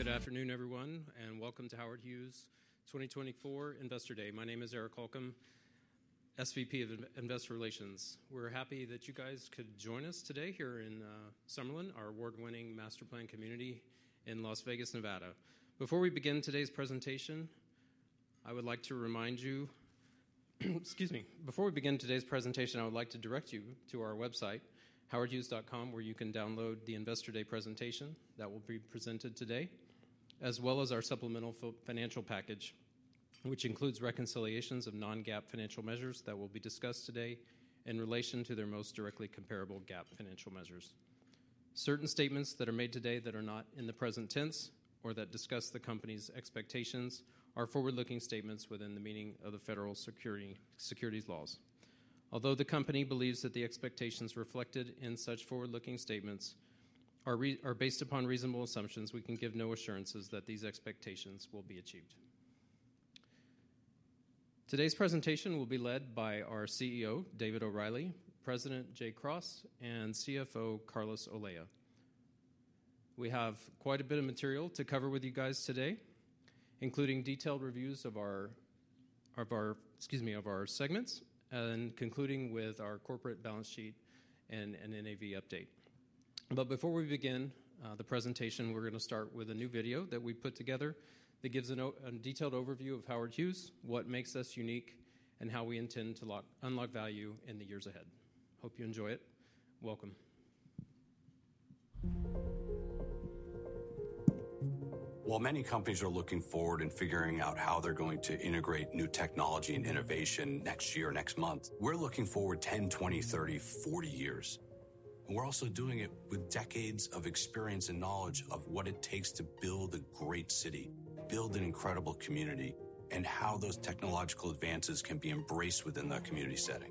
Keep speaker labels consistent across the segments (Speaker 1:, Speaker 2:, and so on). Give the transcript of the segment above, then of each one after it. Speaker 1: Good afternoon, everyone, and welcome to Howard Hughes 2024 Investor Day. My name is Eric Holcomb, SVP of Investor Relations. We're happy that you guys could join us today here in Summerlin, our award-winning master plan community in Las Vegas, Nevada. Before we begin today's presentation, I would like to remind you, excuse me, before we begin today's presentation, I would like to direct you to our website, howardhughes.com, where you can download the Investor Day presentation that will be presented today, as well as our supplemental financial package, which includes reconciliations of non-GAAP financial measures that will be discussed today in relation to their most directly comparable GAAP financial measures. Certain statements that are made today that are not in the present tense or that discuss the company's expectations are forward-looking statements within the meaning of the federal securities laws. Although the company believes that the expectations reflected in such forward-looking statements are based upon reasonable assumptions, we can give no assurances that these expectations will be achieved. Today's presentation will be led by our CEO, David O'Reilly, President Jay Cross, and CFO, Carlos Olea. We have quite a bit of material to cover with you guys today, including detailed reviews of our, excuse me, of our segments and concluding with our corporate balance sheet and an NAV update. But before we begin the presentation, we're going to start with a new video that we put together that gives a detailed overview of Howard Hughes, what makes us unique, and how we intend to unlock value in the years ahead. Hope you enjoy it. Welcome. While many companies are looking forward and figuring out how they're going to integrate new technology and innovation next year, next month, we're looking forward 10, 20, 30, 40 years, and we're also doing it with decades of experience and knowledge of what it takes to build a great city, build an incredible community, and how those technological advances can be embraced within that community setting.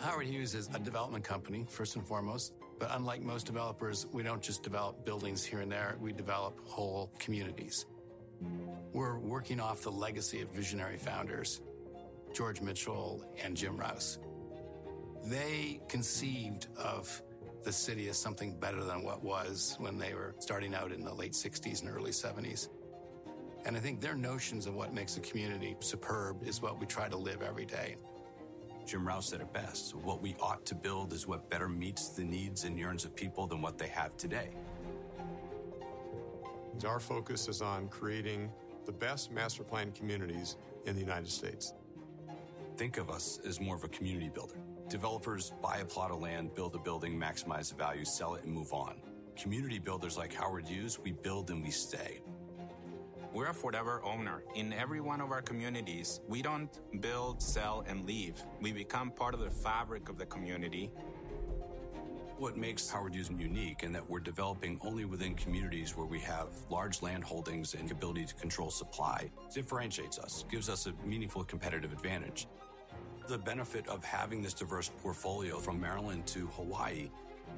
Speaker 1: Howard Hughes is a development company, first and foremost, but unlike most developers, we don't just develop buildings here and there. We develop whole communities. We're working off the legacy of visionary founders, George Mitchell and Jim Rouse. They conceived of the city as something better than what it was when they were starting out in the late 1960s and early 1970s, and I think their notions of what makes a community superb is what we try to live every day. Jim Rouse said it best, "What we ought to build is what better meets the needs and yearnings of people than what they have today. Our focus is on creating the best master plan communities in the United States. Think of us as more of a community builder. Developers buy a plot of land, build a building, maximize the value, sell it, and move on. Community builders like Howard Hughes, we build and we stay. We're a forever owner in every one of our communities. We don't build, sell, and leave. We become part of the fabric of the community. What makes Howard Hughes unique is that we're developing only within communities where we have large land holdings and the ability to control supply. It differentiates us, gives us a meaningful competitive advantage. The benefit of having this diverse portfolio from Maryland to Hawaii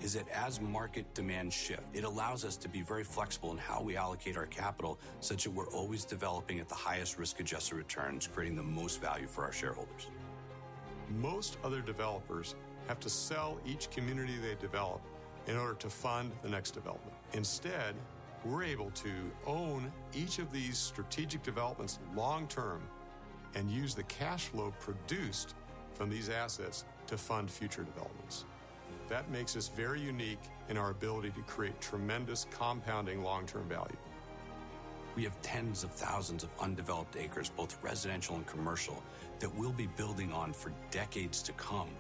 Speaker 1: is that as market demand shifts, it allows us to be very flexible in how we allocate our capital such that we're always developing at the highest risk-adjusted returns, creating the most value for our shareholders. Most other developers have to sell each community they develop in order to fund the next development. Instead, we're able to own each of these strategic developments long-term and use the cash flow produced from these assets to fund future developments. That makes us very unique in our ability to create tremendous compounding long-term value. We have tens of thousands of undeveloped acres, both residential and commercial, that we'll be building on for decades to come.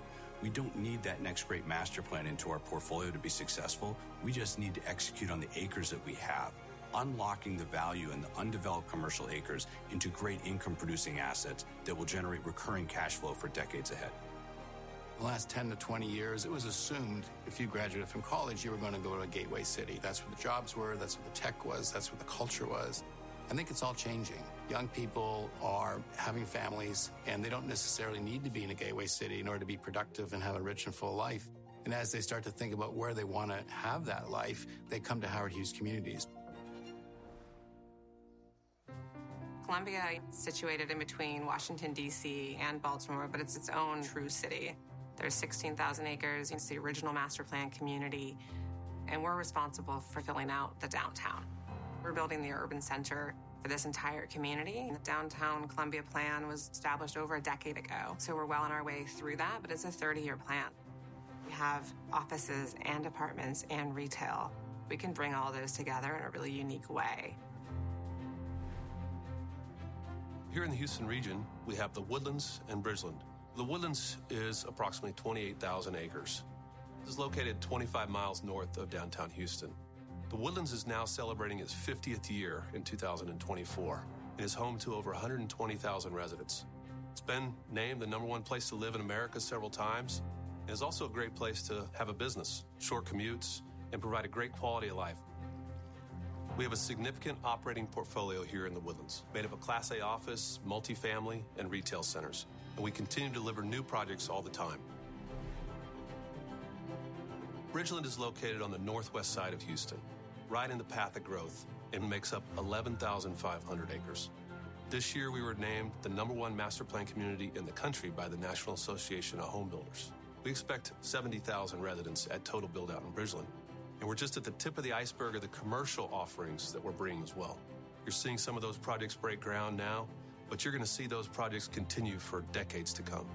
Speaker 1: We don't need that next great master plan into our portfolio to be successful. We just need to execute on the acres that we have, unlocking the value in the undeveloped commercial acres into great income-producing assets that will generate recurring cash flow for decades ahead. The last 10 to 20 years, it was assumed if you graduated from college, you were going to go to a gateway city. That's where the jobs were, that's where the tech was, that's where the culture was. I think it's all changing. Young people are having families, and they don't necessarily need to be in a gateway city in order to be productive and have a rich and full life, and as they start to think about where they want to have that life, they come to Howard Hughes Communities. Columbia, situated in between Washington, D.C., and Baltimore, but it's its own true city. There's 16,000 acres. It's the original master plan community, and we're responsible for filling out the downtown. We're building the urban center for this entire community. The downtown Columbia plan was established over a decade ago, so we're well on our way through that, but it's a 30-year plan. We have offices and apartments and retail. We can bring all those together in a really unique way. Here in the Houston region, we have The Woodlands and Bridgeland. The Woodlands is approximately 28,000 acres. It is located 25 miles north of downtown Houston. The Woodlands is now celebrating its 50th year in 2024 and is home to over 120,000 residents. It has been named the number one place to live in America several times and is also a great place to have a business, short commutes, and provide a great quality of life. We have a significant operating portfolio here in The Woodlands, made up of a Class A office, multifamily, and retail centers, and we continue to deliver new projects all the time. Bridgeland is located on the northwest side of Houston, right in the path of growth, and makes up 11,500 acres. This year, we were named the number one master plan community in the country by the National Association of Home Builders. We expect 70,000 residents at total buildout in Bridgeland, and we're just at the tip of the iceberg of the commercial offerings that we're bringing as well. You're seeing some of those projects break ground now, but you're going to see those projects continue for decades to come.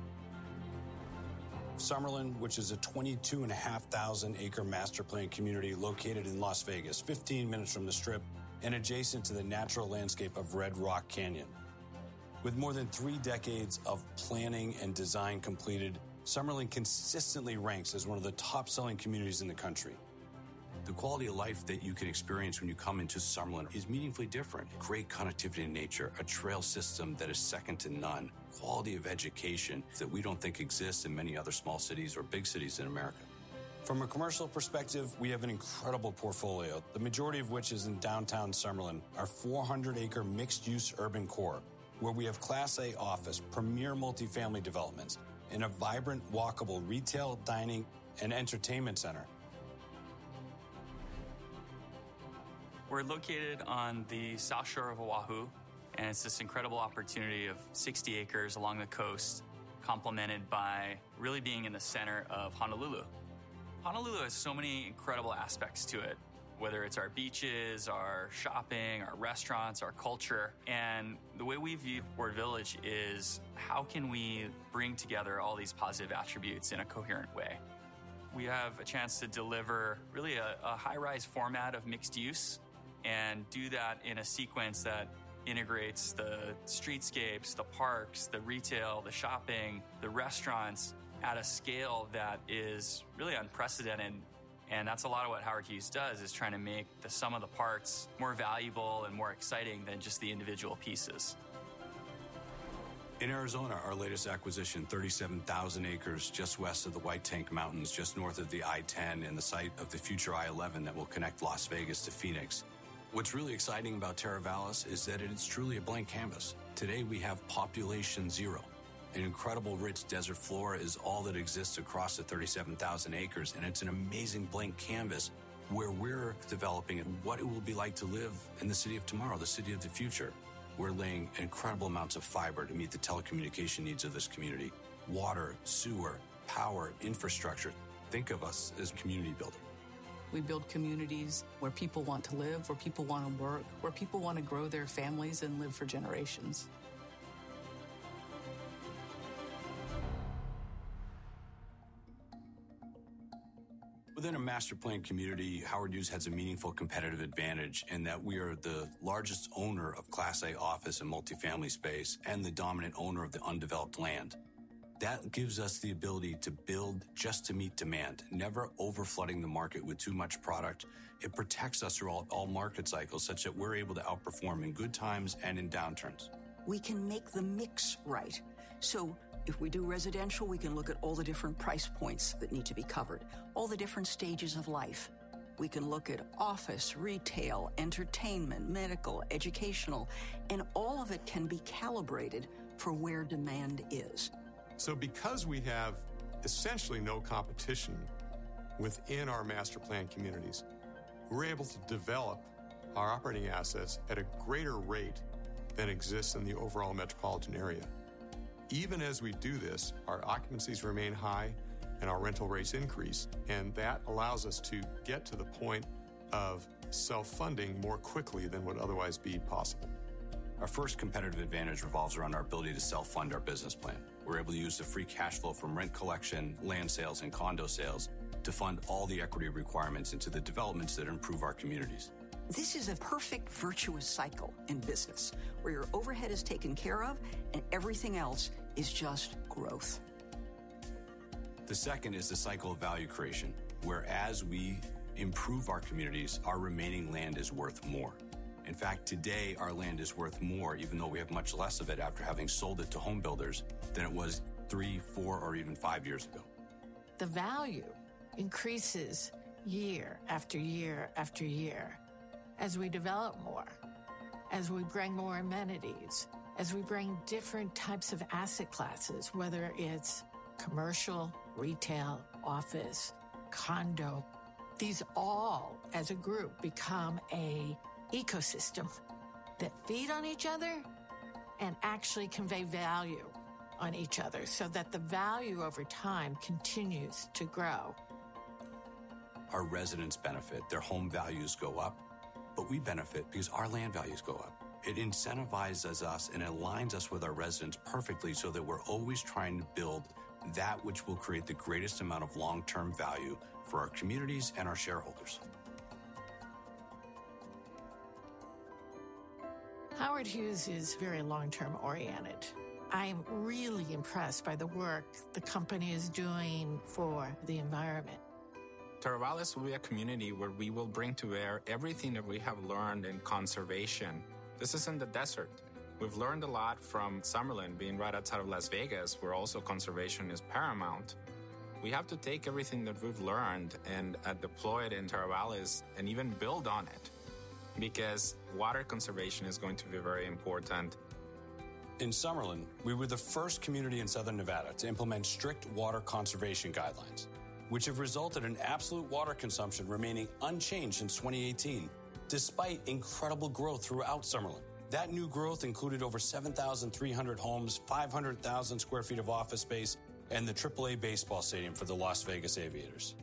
Speaker 1: Summerlin, which is a 22,500-acre master plan community located in Las Vegas, 15 minutes from The Strip and adjacent to the natural landscape of Red Rock Canyon. With more than three decades of planning and design completed, Summerlin consistently ranks as one of the top-selling communities in the country. The quality of life that you can experience when you come into Summerlin is meaningfully different. Great connectivity in nature, a trail system that is second to none, quality of education that we don't think exists in many other small cities or big cities in America. From a commercial perspective, we have an incredible portfolio, the majority of which is in Downtown Summerlin, our 400-acre mixed-use urban core, where we have Class A office, premier multifamily developments, and a vibrant, walkable retail, dining, and entertainment center. We're located on the south shore of O'ahu, and it's this incredible opportunity of 60 acres along the coast, complemented by really being in the center of Honolulu. Honolulu has so many incredible aspects to it, whether it's our beaches, our shopping, our restaurants, our culture. And the way we view Ward Village is how can we bring together all these positive attributes in a coherent way. We have a chance to deliver really a high-rise format of mixed use and do that in a sequence that integrates the streetscapes, the parks, the retail, the shopping, the restaurants at a scale that is really unprecedented. And that's a lot of what Howard Hughes does, is trying to make the sum of the parts more valuable and more exciting than just the individual pieces. In Arizona, our latest acquisition, 37,000 acres just west of the White Tank Mountains, just north of the I-10, and the site of the future I-11 that will connect Las Vegas to Phoenix. What's really exciting about Teravalis is that it's truly a blank canvas. Today, we have population zero. An incredible rich desert floor is all that exists across the 37,000 acres. And it's an amazing blank canvas where we're developing what it will be like to live in the city of tomorrow, the city of the future. We're laying incredible amounts of fiber to meet the telecommunication needs of this community: water, sewer, power, infrastructure. Think of us as a community builder. We build communities where people want to live, where people want to work, where people want to grow their families and live for generations. Within a master plan community, Howard Hughes has a meaningful competitive advantage in that we are the largest owner of Class A office and multifamily space and the dominant owner of the undeveloped land. That gives us the ability to build just to meet demand, never overflooding the market with too much product. It protects us through all market cycles such that we're able to outperform in good times and in downturns. We can make the mix right. So if we do residential, we can look at all the different price points that need to be covered, all the different stages of life. We can look at office, retail, entertainment, medical, educational, and all of it can be calibrated for where demand is. So because we have essentially no competition within our master plan communities, we're able to develop our operating assets at a greater rate than exists in the overall metropolitan area. Even as we do this, our occupancies remain high and our rental rates increase, and that allows us to get to the point of self-funding more quickly than would otherwise be possible. Our first competitive advantage revolves around our ability to self-fund our business plan. We're able to use the free cash flow from rent collection, land sales, and condo sales to fund all the equity requirements into the developments that improve our communities. This is a perfect virtuous cycle in business where your overhead is taken care of and everything else is just growth. The second is the cycle of value creation, whereas we improve our communities, our remaining land is worth more. In fact, today, our land is worth more, even though we have much less of it after having sold it to home builders, than it was three, four, or even five years ago. The value increases year after year after year as we develop more, as we bring more amenities, as we bring different types of asset classes, whether it's commercial, retail, office, condo. These all, as a group, become an ecosystem that feed on each other and actually convey value on each other so that the value over time continues to grow. Our residents benefit. Their home values go up, but we benefit because our land values go up. It incentivizes us and aligns us with our residents perfectly so that we're always trying to build that which will create the greatest amount of long-term value for our communities and our shareholders. Howard Hughes is very long-term oriented. I'm really impressed by the work the company is doing for the environment. Teravalis will be a community where we will bring to bear everything that we have learned in conservation. This isn't the desert. We've learned a lot from Summerlin being right outside of Las Vegas, where also conservation is paramount. We have to take everything that we've learned and deploy it in Teravalis and even build on it because water conservation is going to be very important. In Summerlin, we were the first community in southern Nevada to implement strict water conservation guidelines, which have resulted in absolute water consumption remaining unchanged since 2018, despite incredible growth throughout Summerlin. That new growth included over 7,300 homes, 500,000 sq ft of office space, and the AAA baseball stadium for the Las Vegas Aviators.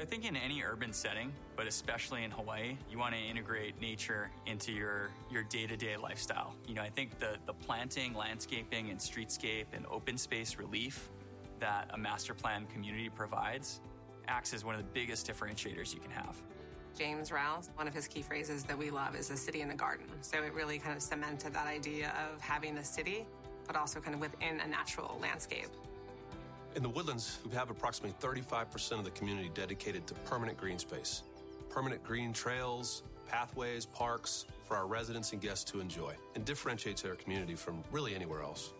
Speaker 1: I think in any urban setting, but especially in Hawaii, you want to integrate nature into your day-to-day lifestyle. You know, I think the planting, landscaping, and streetscape and open space relief that a master plan community provides acts as one of the biggest differentiators you can have. James Rouse's, one of his key phrases that we love, is a city in a garden. So it really kind of cemented that idea of having a city, but also kind of within a natural landscape. In The Woodlands, we have approximately 35% of the community dedicated to permanent green space, permanent green trails, pathways, parks for our residents and guests to enjoy, and differentiates our community from really anywhere else.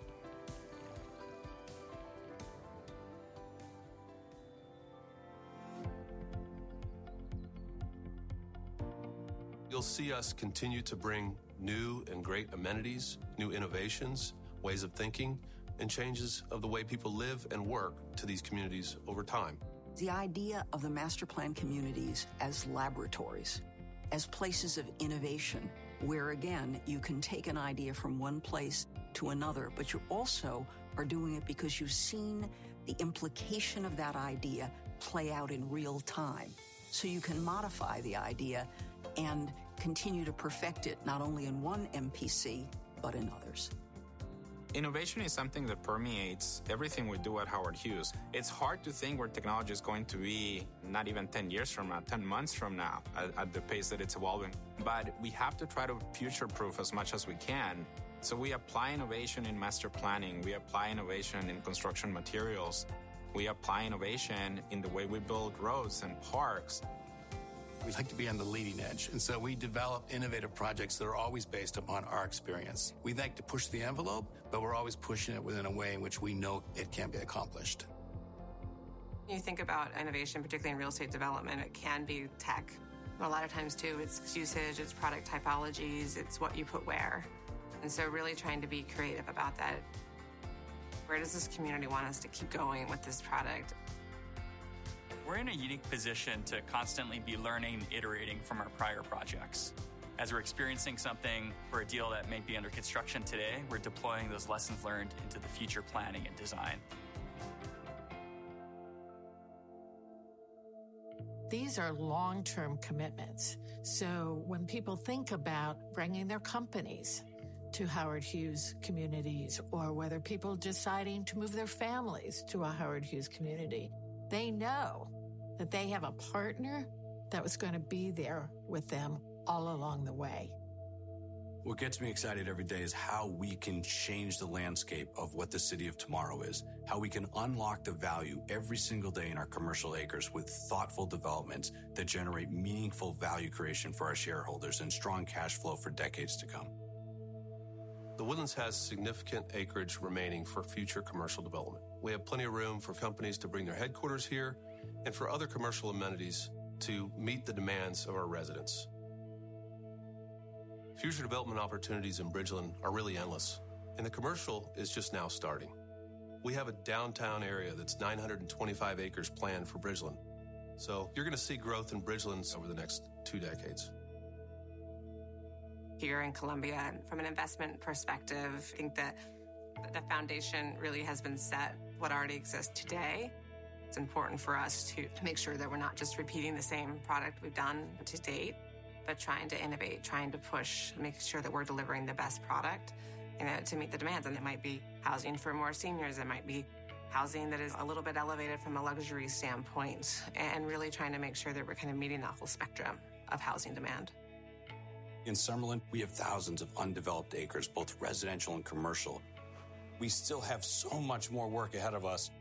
Speaker 1: You'll see us continue to bring new and great amenities, new innovations, ways of thinking, and changes of the way people live and work to these communities over time. The idea of the master plan communities as laboratories, as places of innovation where, again, you can take an idea from one place to another, but you also are doing it because you've seen the implication of that idea play out in real time, so you can modify the idea and continue to perfect it not only in one MPC, but in others. Innovation is something that permeates everything we do at Howard Hughes. It's hard to think where technology is going to be not even 10 years from now, 10 months from now, at the pace that it's evolving. But we have to try to future-proof as much as we can. So we apply innovation in master planning. We apply innovation in construction materials. We apply innovation in the way we build roads and parks. We like to be on the leading edge, and so we develop innovative projects that are always based upon our experience. We like to push the envelope, but we're always pushing it within a way in which we know it can be accomplished. When you think about innovation, particularly in real estate development, it can be tech. A lot of times, too, it's usage, it's product typologies, it's what you put where. And so really trying to be creative about that. Where does this community want us to keep going with this product? We're in a unique position to constantly be learning and iterating from our prior projects. As we're experiencing something or a deal that may be under construction today, we're deploying those lessons learned into the future planning and design. These are long-term commitments. So when people think about bringing their companies to Howard Hughes Communities or whether people are deciding to move their families to a Howard Hughes Community, they know that they have a partner that was going to be there with them all along the way. What gets me excited every day is how we can change the landscape of what the city of tomorrow is, how we can unlock the value every single day in our commercial acres with thoughtful developments that generate meaningful value creation for our shareholders and strong cash flow for decades to come. The Woodlands has significant acreage remaining for future commercial development. We have plenty of room for companies to bring their headquarters here and for other commercial amenities to meet the demands of our residents. Future development opportunities in Bridgeland are really endless, and the commercial is just now starting. We have a downtown area that's 925 acres planned for Bridgeland, so you're going to see growth in Bridgeland over the next two decades. Here in Columbia, from an investment perspective, I think that the foundation really has been set for what already exists today. It's important for us to make sure that we're not just repeating the same product we've done to date, but trying to innovate, trying to push, making sure that we're delivering the best product to meet the demands. And it might be housing for more seniors. It might be housing that is a little bit elevated from a luxury standpoint and really trying to make sure that we're kind of meeting the whole spectrum of housing demand. In Summerlin, we have thousands of undeveloped acres, both residential and commercial. We still have so much more work ahead of us.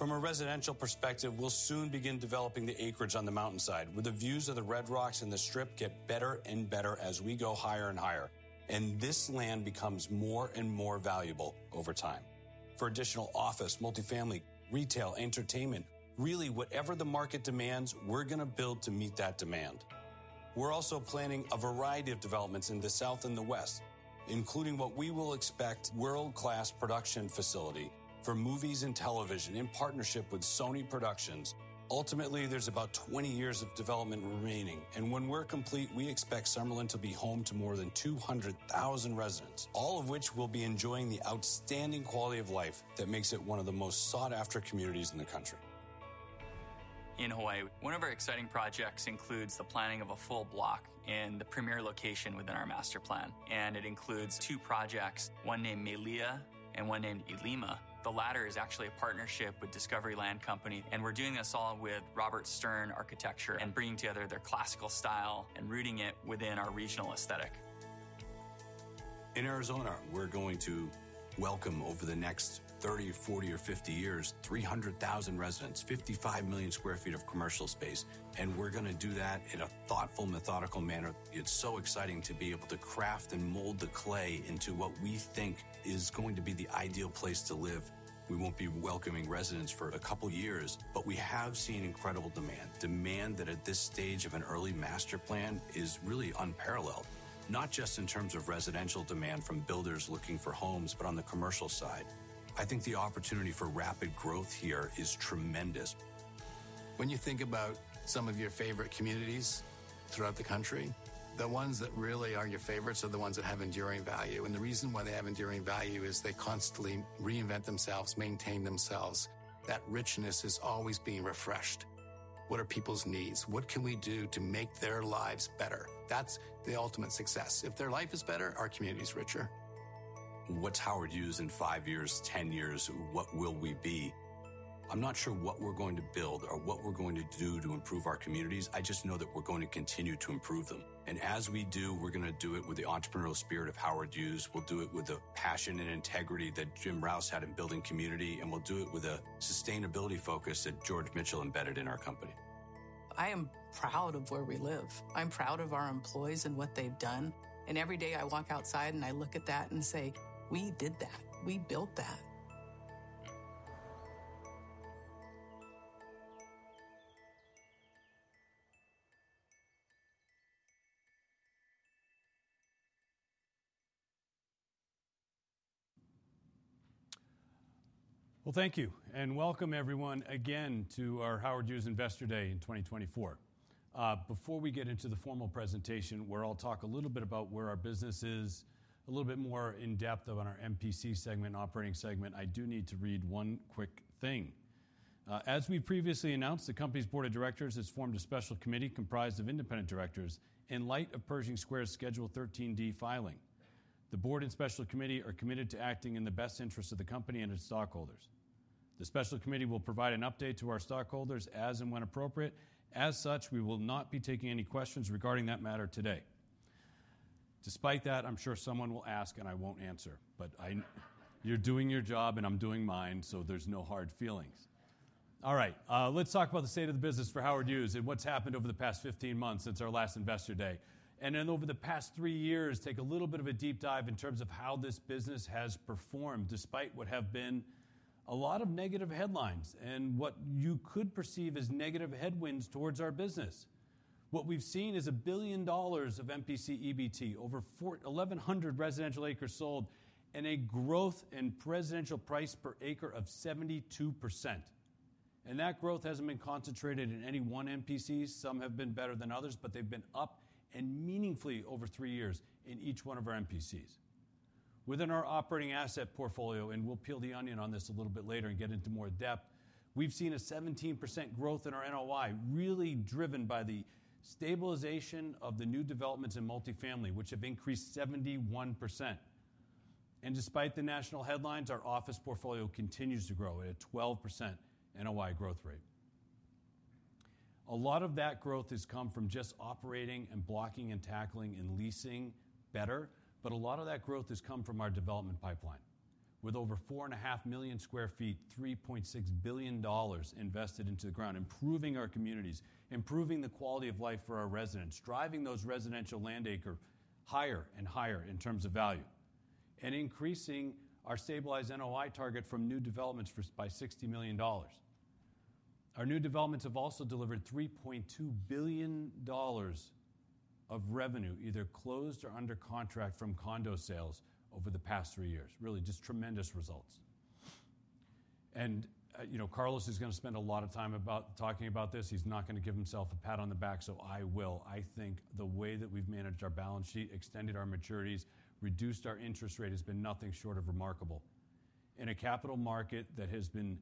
Speaker 1: From a residential perspective, we'll soon begin developing the acreage on the mountainside, where the views of the Red Rocks and the Strip get better and better as we go higher and higher. And this land becomes more and more valuable over time. For additional office, multifamily, retail, entertainment, really whatever the market demands, we're going to build to meet that demand. We're also planning a variety of developments in the south and the west, including what we will expect: world-class production facility for movies and television in partnership with Sony Pictures. Ultimately, there's about 20 years of development remaining. When we're complete, we expect Summerlin to be home to more than 200,000 residents, all of which will be enjoying the outstanding quality of life that makes it one of the most sought-after communities in the country. In Hawaii, one of our exciting projects includes the planning of a full block in the premier location within our master plan. It includes two projects, one named Melia and one named 'Ilima. The latter is actually a partnership with Discovery Land Company. We're doing this all with Robert A.M. Stern Architects and bringing together their classical style and rooting it within our regional aesthetic. In Arizona, we're going to welcome over the next 30, 40, or 50 years 300,000 residents, 55 million sq ft of commercial space. We're going to do that in a thoughtful, methodical manner. It's so exciting to be able to craft and mold the clay into what we think is going to be the ideal place to live. We won't be welcoming residents for a couple of years, but we have seen incredible demand, demand that at this stage of an early master plan is really unparalleled, not just in terms of residential demand from builders looking for homes, but on the commercial side. I think the opportunity for rapid growth here is tremendous. When you think about some of your favorite communities throughout the country, the ones that really are your favorites are the ones that have enduring value. And the reason why they have enduring value is they constantly reinvent themselves, maintain themselves. That richness is always being refreshed. What are people's needs? What can we do to make their lives better? That's the ultimate success. If their life is better, our community is richer. What's Howard Hughes in five years, 10 years? What will we be? I'm not sure what we're going to build or what we're going to do to improve our communities. I just know that we're going to continue to improve them. And as we do, we're going to do it with the entrepreneurial spirit of Howard Hughes. We'll do it with the passion and integrity that Jim Rouse had in building community, and we'll do it with a sustainability focus that George Mitchell embedded in our company. I am proud of where we live. I'm proud of our employees and what they've done, and every day I walk outside and I look at that and say, "We did that. We built that.
Speaker 2: Thank you. And welcome, everyone, again to our Howard Hughes Investor Day in 2024. Before we get into the formal presentation, where I'll talk a little bit about where our business is, a little bit more in depth on our MPC segment, operating segment, I do need to read one quick thing. As we previously announced, the company's board of directors has formed a special committee comprised of independent directors in light of Pershing Square's Schedule 13D filing. The board and special committee are committed to acting in the best interest of the company and its stockholders. The special committee will provide an update to our stockholders as and when appropriate. As such, we will not be taking any questions regarding that matter today. Despite that, I'm sure someone will ask and I won't answer, but you're doing your job and I'm doing mine, so there's no hard feelings. All right, let's talk about the state of the business for Howard Hughes and what's happened over the past 15 months since our last investor day, and then over the past three years, take a little bit of a deep dive in terms of how this business has performed despite what have been a lot of negative headlines and what you could perceive as negative headwinds towards our business. What we've seen is $1 billion of MPC EBT, over 1,100 residential acres sold, and a growth in residential price per acre of 72%, and that growth hasn't been concentrated in any one MPC. Some have been better than others, but they've been up and meaningfully over three years in each one of our MPCs. Within our operating asset portfolio, and we'll peel the onion on this a little bit later and get into more depth, we've seen a 17% growth in our NOI, really driven by the stabilization of the new developments in multifamily, which have increased 71%. Despite the national headlines, our office portfolio continues to grow at a 12% NOI growth rate. A lot of that growth has come from just operating and blocking and tackling and leasing better, but a lot of that growth has come from our development pipeline. With over 4.5 million sq ft, $3.6 billion invested into the ground, improving our communities, improving the quality of life for our residents, driving those residential land acres higher and higher in terms of value, and increasing our stabilized NOI target from new developments by $60 million. Our new developments have also delivered $3.2 billion of revenue, either closed or under contract, from condo sales over the past three years. Really just tremendous results. And, you know, Carlos is going to spend a lot of time talking about this. He's not going to give himself a pat on the back, so I will. I think the way that we've managed our balance sheet, extended our maturities, reduced our interest rate has been nothing short of remarkable. In a capital market that has been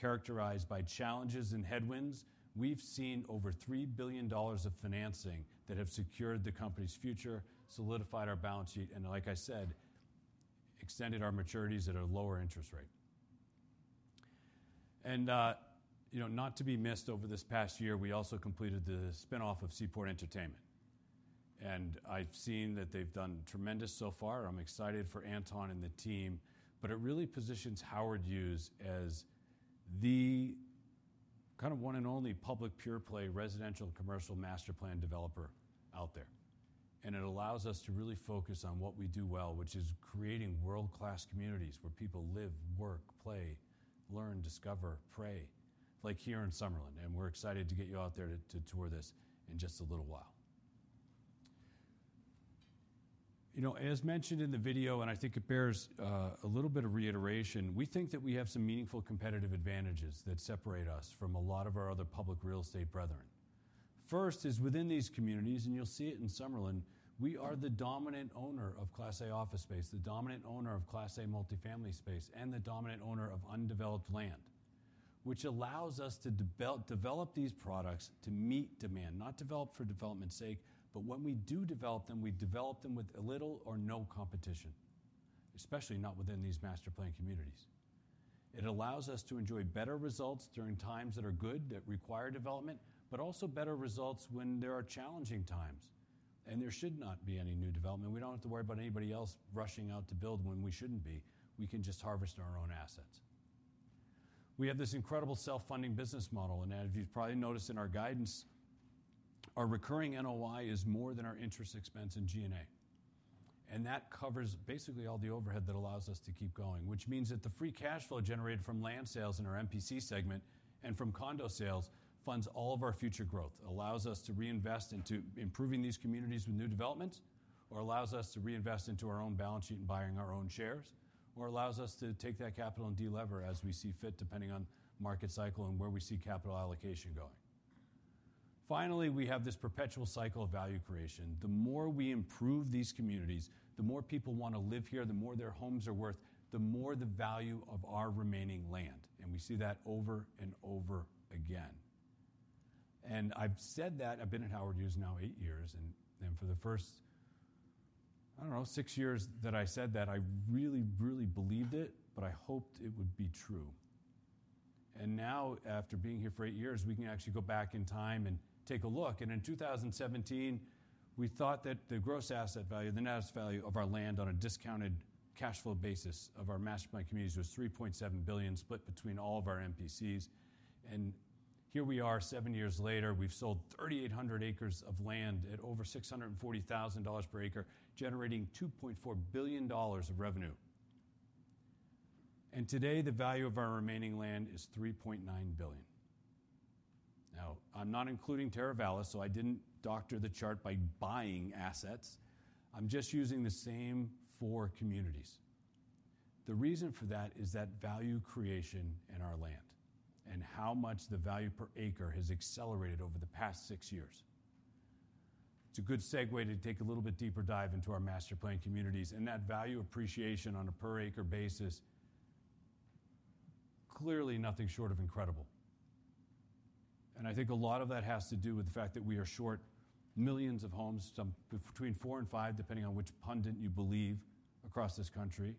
Speaker 2: characterized by challenges and headwinds, we've seen over $3 billion of financing that have secured the company's future, solidified our balance sheet, and like I said, extended our maturities at a lower interest rate. And, you know, not to be missed over this past year, we also completed the spinoff of Seaport Entertainment. And I've seen that they've done tremendous so far. I'm excited for Anton and the team, but it really positions Howard Hughes as the kind of one and only public pure play residential commercial master plan developer out there. And it allows us to really focus on what we do well, which is creating world-class communities where people live, work, play, learn, discover, pray, like here in Summerlin. And we're excited to get you out there to tour this in just a little while. You know, as mentioned in the video, and I think it bears a little bit of reiteration, we think that we have some meaningful competitive advantages that separate us from a lot of our other public real estate brethren. First is within these communities, and you'll see it in Summerlin. We are the dominant owner of Class A Office space, the dominant owner of Class A multifamily space, and the dominant owner of undeveloped land, which allows us to develop these products to meet demand, not develop for development's sake, but when we do develop them, we develop them with little or no competition, especially not within these master-planned communities. It allows us to enjoy better results during times that are good, that require development, but also better results when there are challenging times, and there should not be any new development. We don't have to worry about anybody else rushing out to build when we shouldn't be. We can just harvest our own assets. We have this incredible self-funding business model. And as you've probably noticed in our guidance, our recurring NOI is more than our interest expense in G&A. And that covers basically all the overhead that allows us to keep going, which means that the free cash flow generated from land sales in our MPC segment and from condo sales funds all of our future growth, allows us to reinvest into improving these communities with new developments, or allows us to reinvest into our own balance sheet and buying our own shares, or allows us to take that capital and delever as we see fit depending on market cycle and where we see capital allocation going. Finally, we have this perpetual cycle of value creation. The more we improve these communities, the more people want to live here, the more their homes are worth, the more the value of our remaining land. And we see that over and over again. And I've said that, I've been at Howard Hughes now eight years. And for the first, I don't know, six years that I said that, I really, really believed it, but I hoped it would be true. And now, after being here for eight years, we can actually go back in time and take a look. And in 2017, we thought that the gross asset value, the net asset value of our land on a discounted cash flow basis of our master plan communities was $3.7 billion split between all of our MPCs. And here we are, seven years later, we've sold 3,800 acres of land at over $640,000 per acre, generating $2.4 billion of revenue. And today, the value of our remaining land is $3.9 billion. Now, I'm not including Teravalis, so I didn't doctor the chart by buying assets. I'm just using the same four communities. The reason for that is that value creation in our land and how much the value per acre has accelerated over the past six years. It's a good segue to take a little bit deeper dive into our master plan communities. And that value appreciation on a per acre basis, clearly nothing short of incredible. And I think a lot of that has to do with the fact that we are short millions of homes, between four and five, depending on which pundit you believe across this country.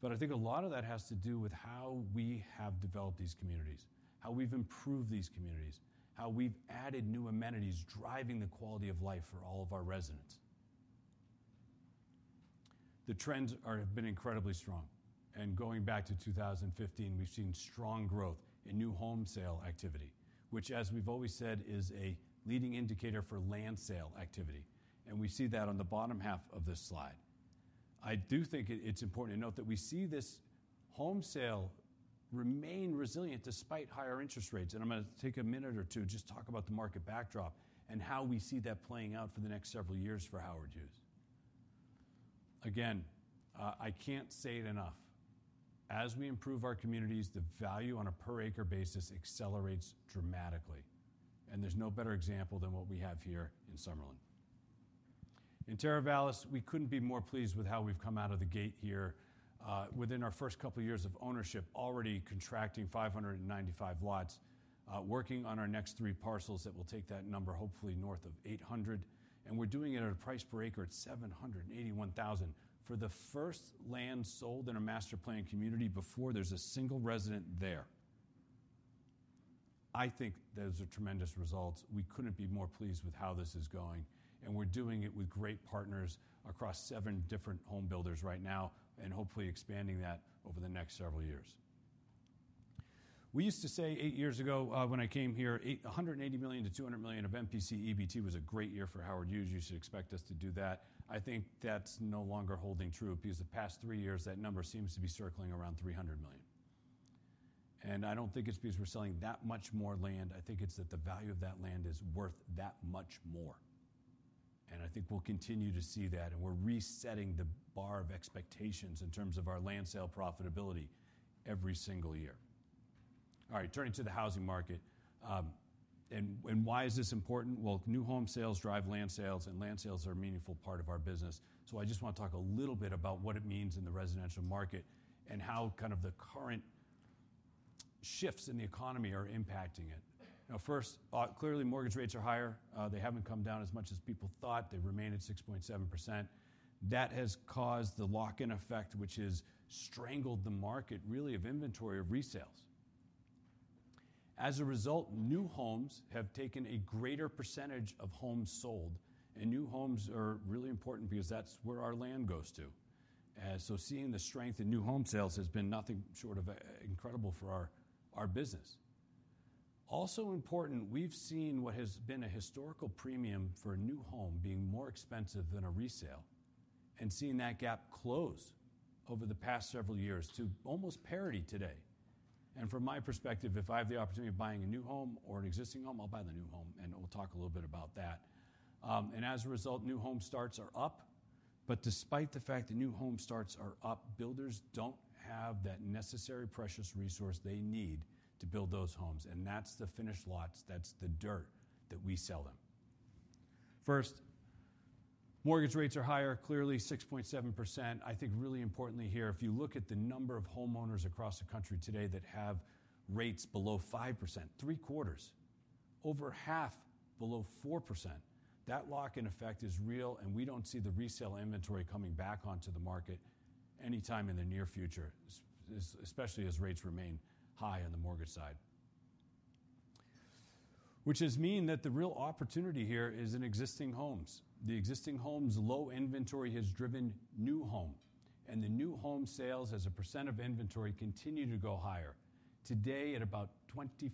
Speaker 2: But I think a lot of that has to do with how we have developed these communities, how we've improved these communities, how we've added new amenities driving the quality of life for all of our residents. The trends have been incredibly strong. Going back to 2015, we've seen strong growth in new home sales activity, which, as we've always said, is a leading indicator for land sales activity. We see that on the bottom half of this slide. I do think it's important to note that we see these home sales remain resilient despite higher interest rates. I'm going to take a minute or two to just talk about the market backdrop and how we see that playing out for the next several years for Howard Hughes. Again, I can't say it enough. As we improve our communities, the value on a per acre basis accelerates dramatically. There's no better example than what we have here in Summerlin. In Teravalis, we couldn't be more pleased with how we've come out of the gate here within our first couple of years of ownership, already contracting 595 lots, working on our next three parcels that will take that number hopefully north of 800. And we're doing it at a price per acre at $781,000 for the first land sold in a master plan community before there's a single resident there. I think those are tremendous results. We couldn't be more pleased with how this is going. And we're doing it with great partners across seven different home builders right now and hopefully expanding that over the next several years. We used to say eight years ago when I came here, $180 million-$200 million of MPC EBT was a great year for Howard Hughes. You should expect us to do that. I think that's no longer holding true because the past three years that number seems to be circling around $300 million. And I don't think it's because we're selling that much more land. I think it's that the value of that land is worth that much more. And I think we'll continue to see that. And we're resetting the bar of expectations in terms of our land sale profitability every single year. All right, turning to the housing market. And why is this important? Well, new home sales drive land sales, and land sales are a meaningful part of our business. So I just want to talk a little bit about what it means in the residential market and how kind of the current shifts in the economy are impacting it. Now, first, clearly mortgage rates are higher. They haven't come down as much as people thought. They've remained at 6.7%. That has caused the lock-in effect, which has strangled the market really of inventory of resales. As a result, new homes have taken a greater percentage of homes sold. And new homes are really important because that's where our land goes to. So seeing the strength in new home sales has been nothing short of incredible for our business. Also important, we've seen what has been a historical premium for a new home being more expensive than a resale and seeing that gap close over the past several years to almost parity today. And from my perspective, if I have the opportunity of buying a new home or an existing home, I'll buy the new home. And we'll talk a little bit about that. And as a result, new home starts are up. Despite the fact that new home starts are up, builders don't have that necessary precious resource they need to build those homes. That's the finished lots. That's the dirt that we sell them. First, mortgage rates are higher, clearly 6.7%. I think really importantly here, if you look at the number of homeowners across the country today that have rates below 5%, three quarters, over half below 4%, that lock-in effect is real. We don't see the resale inventory coming back onto the market anytime in the near future, especially as rates remain high on the mortgage side, which has meant that the real opportunity here is in existing homes. The existing homes low inventory has driven new home. The new home sales as a % of inventory continue to go higher. Today at about 25%,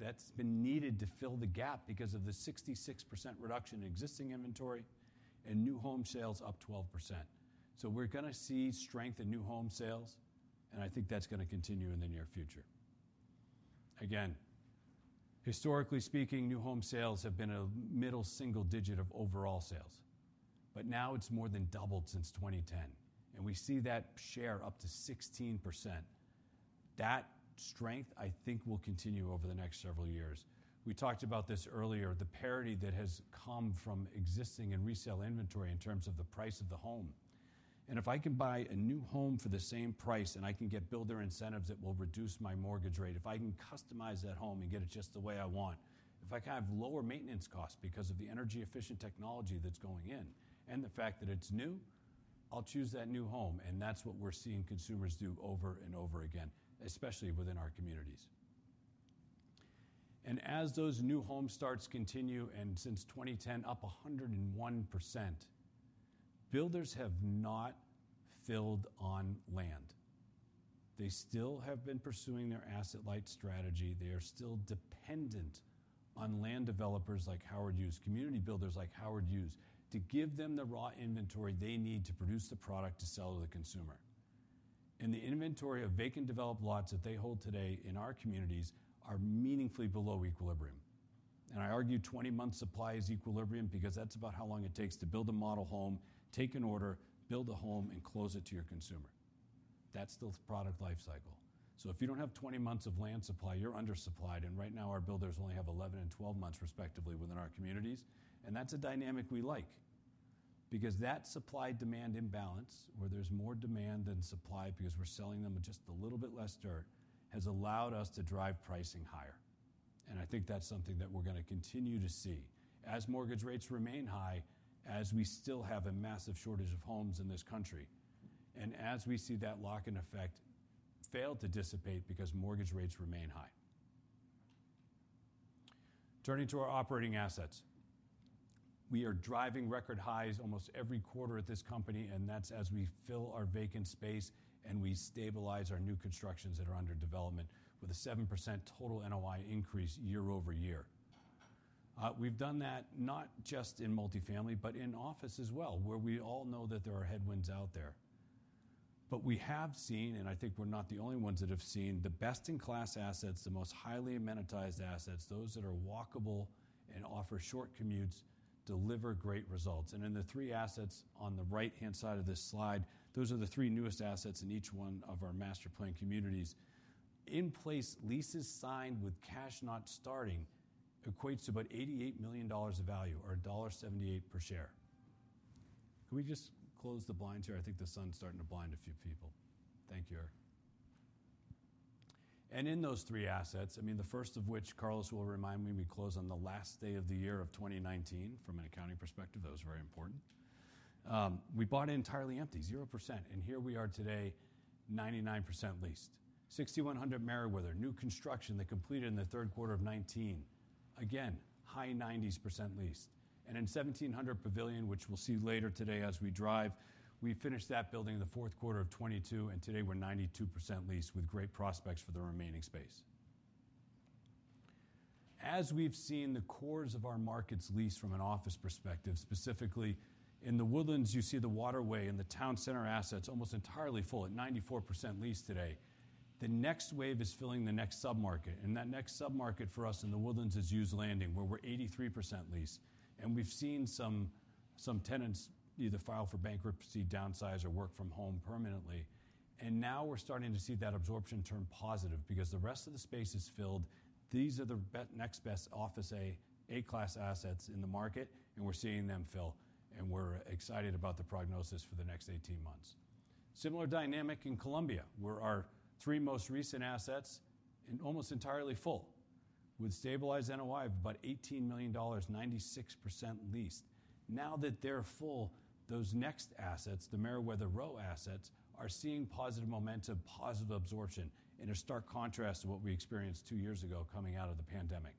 Speaker 2: that's been needed to fill the gap because of the 66% reduction in existing inventory and new home sales up 12%. So we're going to see strength in new home sales. And I think that's going to continue in the near future. Again, historically speaking, new home sales have been a middle single digit of overall sales. But now it's more than doubled since 2010. And we see that share up to 16%. That strength, I think, will continue over the next several years. We talked about this earlier, the parity that has come from existing and resale inventory in terms of the price of the home. And if I can buy a new home for the same price and I can get builder incentives that will reduce my mortgage rate, if I can customize that home and get it just the way I want, if I can have lower maintenance costs because of the energy-efficient technology that's going in and the fact that it's new, I'll choose that new home. And that's what we're seeing consumers do over and over again, especially within our communities. And as those new home starts continue, and since 2010, up 101%, builders have not filled on land. They still have been pursuing their asset light strategy. They are still dependent on land developers like Howard Hughes, community builders like Howard Hughes, to give them the raw inventory they need to produce the product to sell to the consumer. And the inventory of vacant developed lots that they hold today in our communities are meaningfully below equilibrium. And I argue 20 months' supply is equilibrium because that's about how long it takes to build a model home, take an order, build a home, and close it to your consumer. That's still the product lifecycle. So if you don't have 20 months of land supply, you're undersupplied. And right now, our builders only have 11 and 12 months, respectively, within our communities. And that's a dynamic we like because that supply-demand imbalance, where there's more demand than supply because we're selling them with just a little bit less dirt, has allowed us to drive pricing higher. And I think that's something that we're going to continue to see as mortgage rates remain high, as we still have a massive shortage of homes in this country, and as we see that lock-in effect fail to dissipate because mortgage rates remain high. Turning to our operating assets, we are driving record highs almost every quarter at this company. And that's as we fill our vacant space and we stabilize our new constructions that are under development with a 7% total NOI increase year over year. We've done that not just in multifamily, but in office as well, where we all know that there are headwinds out there. But we have seen, and I think we're not the only ones that have seen the best-in-class assets, the most highly amenitized assets, those that are walkable and offer short commutes, deliver great results. In the three assets on the right-hand side of this slide, those are the three newest assets in each one of our master plan communities. In place, leases signed with cash not starting equates to about $88 million of value or $1.78 per share. Can we just close the blinds here? I think the sun's starting to blind a few people. Thank you, Eric. In those three assets, I mean, the first of which Carlos will remind me, we close on the last day of the year of 2019 from an accounting perspective. That was very important. We bought it entirely empty, 0%. Here we are today, 99% leased. 6100 Merriweather, new construction that completed in the third quarter of 2019. Again, high 90% leased. In 1700 Pavilion, which we'll see later today as we drive, we finished that building in the fourth quarter of 2022. Today, we're 92% leased with great prospects for the remaining space. As we've seen the cores of our markets leased from an office perspective, specifically in The Woodlands, you see the Waterway and the Town Center assets almost entirely full at 94% leased today. The next wave is filling the next submarket. That next submarket for us in The Woodlands is Hughes Landing, where we're 83% leased. We've seen some tenants either file for bankruptcy, downsize, or work from home permanently. Now we're starting to see that absorption turn positive because the rest of the space is filled. These are the next best Class A office assets in the market. We're seeing them fill. We're excited about the prognosis for the next 18 months. Similar dynamic in Columbia, where our three most recent assets are almost entirely full with stabilized NOI of about $18 million, 96% leased. Now that they're full, those next assets, the Merriweather Row assets, are seeing positive momentum, positive absorption in a stark contrast to what we experienced two years ago coming out of the pandemic.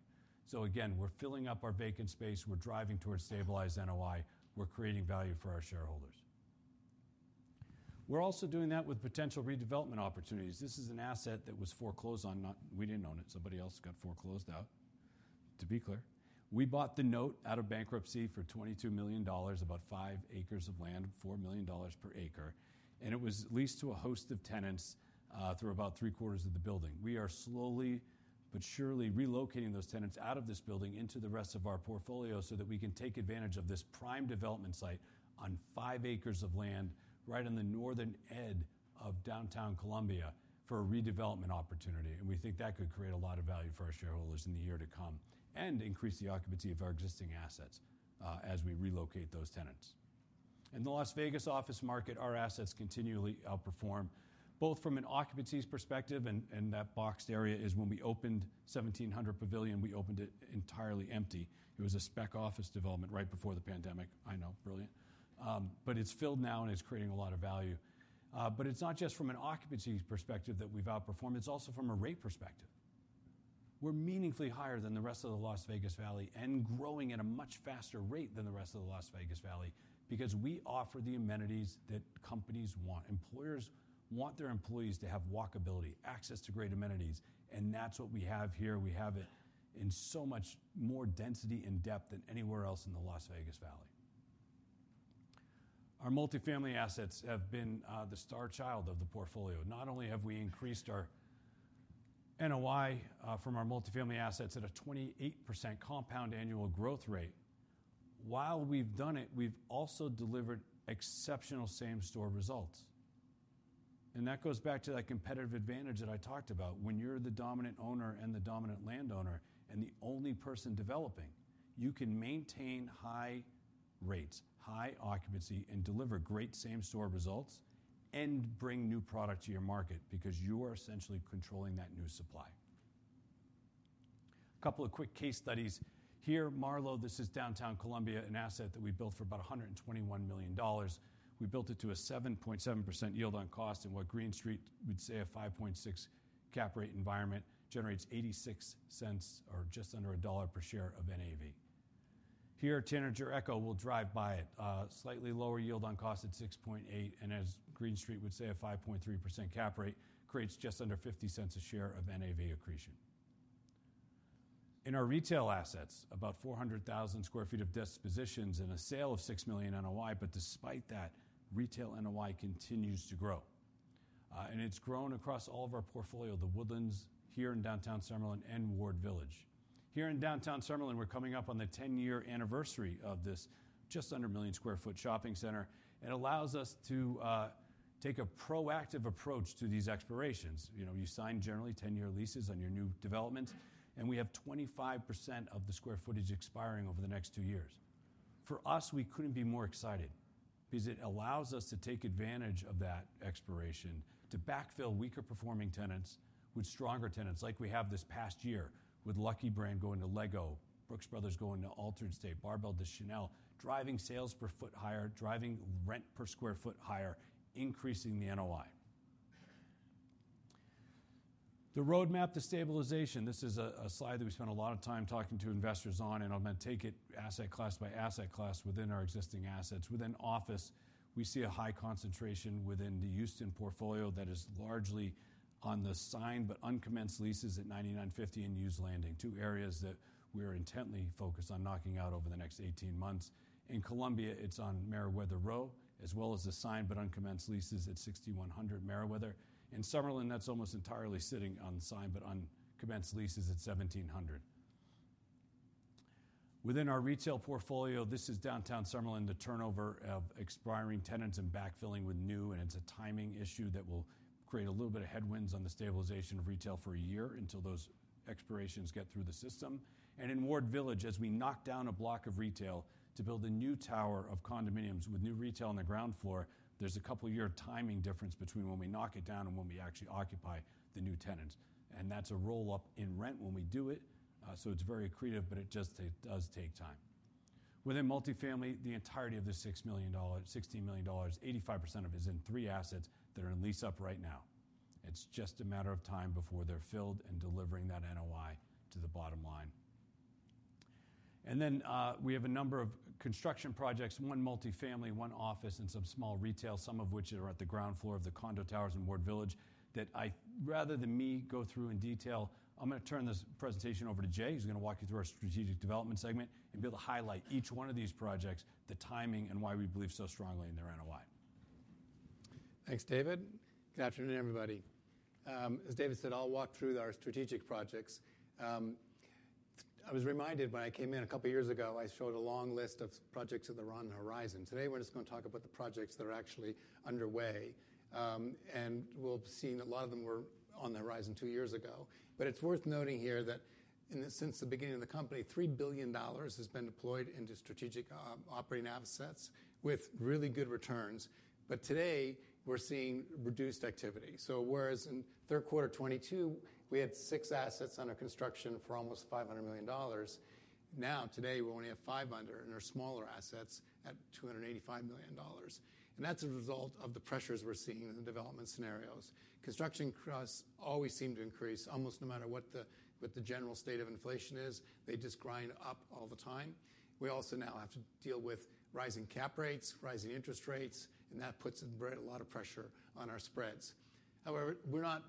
Speaker 2: So again, we're filling up our vacant space. We're driving towards stabilized NOI. We're creating value for our shareholders. We're also doing that with potential redevelopment opportunities. This is an asset that was foreclosed on. We didn't own it. Somebody else got foreclosed out, to be clear. We bought the note out of bankruptcy for $22 million, about five acres of land, $4 million per acre, and it was leased to a host of tenants through about three quarters of the building. We are slowly but surely relocating those tenants out of this building into the rest of our portfolio so that we can take advantage of this prime development site on five acres of land right on the northern edge of Downtown Columbia for a redevelopment opportunity, and we think that could create a lot of value for our shareholders in the year to come and increase the occupancy of our existing assets as we relocate those tenants. In the Las Vegas office market, our assets continually outperform, both from an occupancy perspective, and that boxed area is when we opened 1700 Pavilion. We opened it entirely empty. It was a spec office development right before the pandemic. I know, brilliant. But it's filled now and it's creating a lot of value. But it's not just from an occupancy perspective that we've outperformed. It's also from a rate perspective. We're meaningfully higher than the rest of the Las Vegas Valley and growing at a much faster rate than the rest of the Las Vegas Valley because we offer the amenities that companies want. Employers want their employees to have walkability, access to great amenities, and that's what we have here. We have it in so much more density and depth than anywhere else in the Las Vegas Valley. Our multifamily assets have been the star child of the portfolio. Not only have we increased our NOI from our multifamily assets at a 28% compound annual growth rate, while we've done it, we've also delivered exceptional same-store results, and that goes back to that competitive advantage that I talked about. When you're the dominant owner and the dominant landowner and the only person developing, you can maintain high rates, high occupancy, and deliver great same-store results and bring new product to your market because you are essentially controlling that new supply. A couple of quick case studies here. Marlow, this is downtown Columbia, an asset that we built for about $121 million. We built it to a 7.7% yield on cost. And what Green Street would say a 5.6% cap rate environment generates $0.86 or just under $1.00 per share of NAV. Here, Tanager Echo will drive by it. Slightly lower yield on cost at 6.8%. And as Green Street would say, a 5.3% cap rate creates just under $0.50 a share of NAV accretion. In our retail assets, about 400,000 sq ft of dispositions and a sale of $6 million NOI. But despite that, retail NOI continues to grow. And it's grown across all of our portfolio, The Woodlands here in Downtown Summerlin and Ward Village. Here in Downtown Summerlin, we're coming up on the 10-year anniversary of this just under a million sq ft shopping center. It allows us to take a proactive approach to these expirations. You sign generally 10-year leases on your new developments. And we have 25% of the square footage expiring over the next two years. For us, we couldn't be more excited because it allows us to take advantage of that expiration to backfill weaker performing tenants with stronger tenants like we have this past year with Lucky Brand going to LEGO, Brooks Brothers going to Altar'd State, Barbell to Chanel, driving sales per sq ft higher, driving rent per sq ft higher, increasing the NOI. The roadmap to stabilization. This is a slide that we spent a lot of time talking to investors on. And I'm going to take it asset class by asset class within our existing assets. Within office, we see a high concentration within the Houston portfolio that is largely on the signed but uncommenced leases at 9950 and Hughes Landing, two areas that we are intently focused on knocking out over the next 18 months. In Columbia, it's on Merriweather Row as well as the signed but uncommenced leases at 6100 Merriweather. In Summerlin, that's almost entirely sitting on signed but uncommenced leases at 1700 Pavilion. Within our retail portfolio, this is Downtown Summerlin, the turnover of expiring tenants and backfilling with new. And it's a timing issue that will create a little bit of headwinds on the stabilization of retail for a year until those expirations get through the system. In Ward Village, as we knock down a block of retail to build a new tower of condominiums with new retail on the ground floor, there's a couple-year timing difference between when we knock it down and when we actually occupy the new tenants. And that's a roll-up in rent when we do it. So it's very accretive, but it just does take time. Within multifamily, the entirety of the $16 million, 85% of it is in three assets that are in lease up right now. It's just a matter of time before they're filled and delivering that NOI to the bottom line. And then we have a number of construction projects, one multifamily, one office, and some small retail, some of which are at the ground floor of the condo towers in Ward Village that I, rather than me, go through in detail. I'm going to turn this presentation over to Jay. He's going to walk you through our strategic development segment and be able to highlight each one of these projects, the timing, and why we believe so strongly in their NOI.
Speaker 3: Thanks, David. Good afternoon, everybody. As David said, I'll walk through our strategic projects. I was reminded when I came in a couple of years ago, I showed a long list of projects that are on the horizon. Today, we're just going to talk about the projects that are actually underway. And we'll have seen a lot of them were on the horizon two years ago. But it's worth noting here that since the beginning of the company, $3 billion has been deployed into strategic operating assets with really good returns. But today, we're seeing reduced activity. So whereas in third quarter 2022, we had six assets under construction for almost $500 million, now today, we only have five under and our smaller assets at $285 million. And that's a result of the pressures we're seeing in the development scenarios. Construction costs always seem to increase almost no matter what the general state of inflation is. They just grind up all the time. We also now have to deal with rising cap rates, rising interest rates, and that puts a lot of pressure on our spreads. However, we're not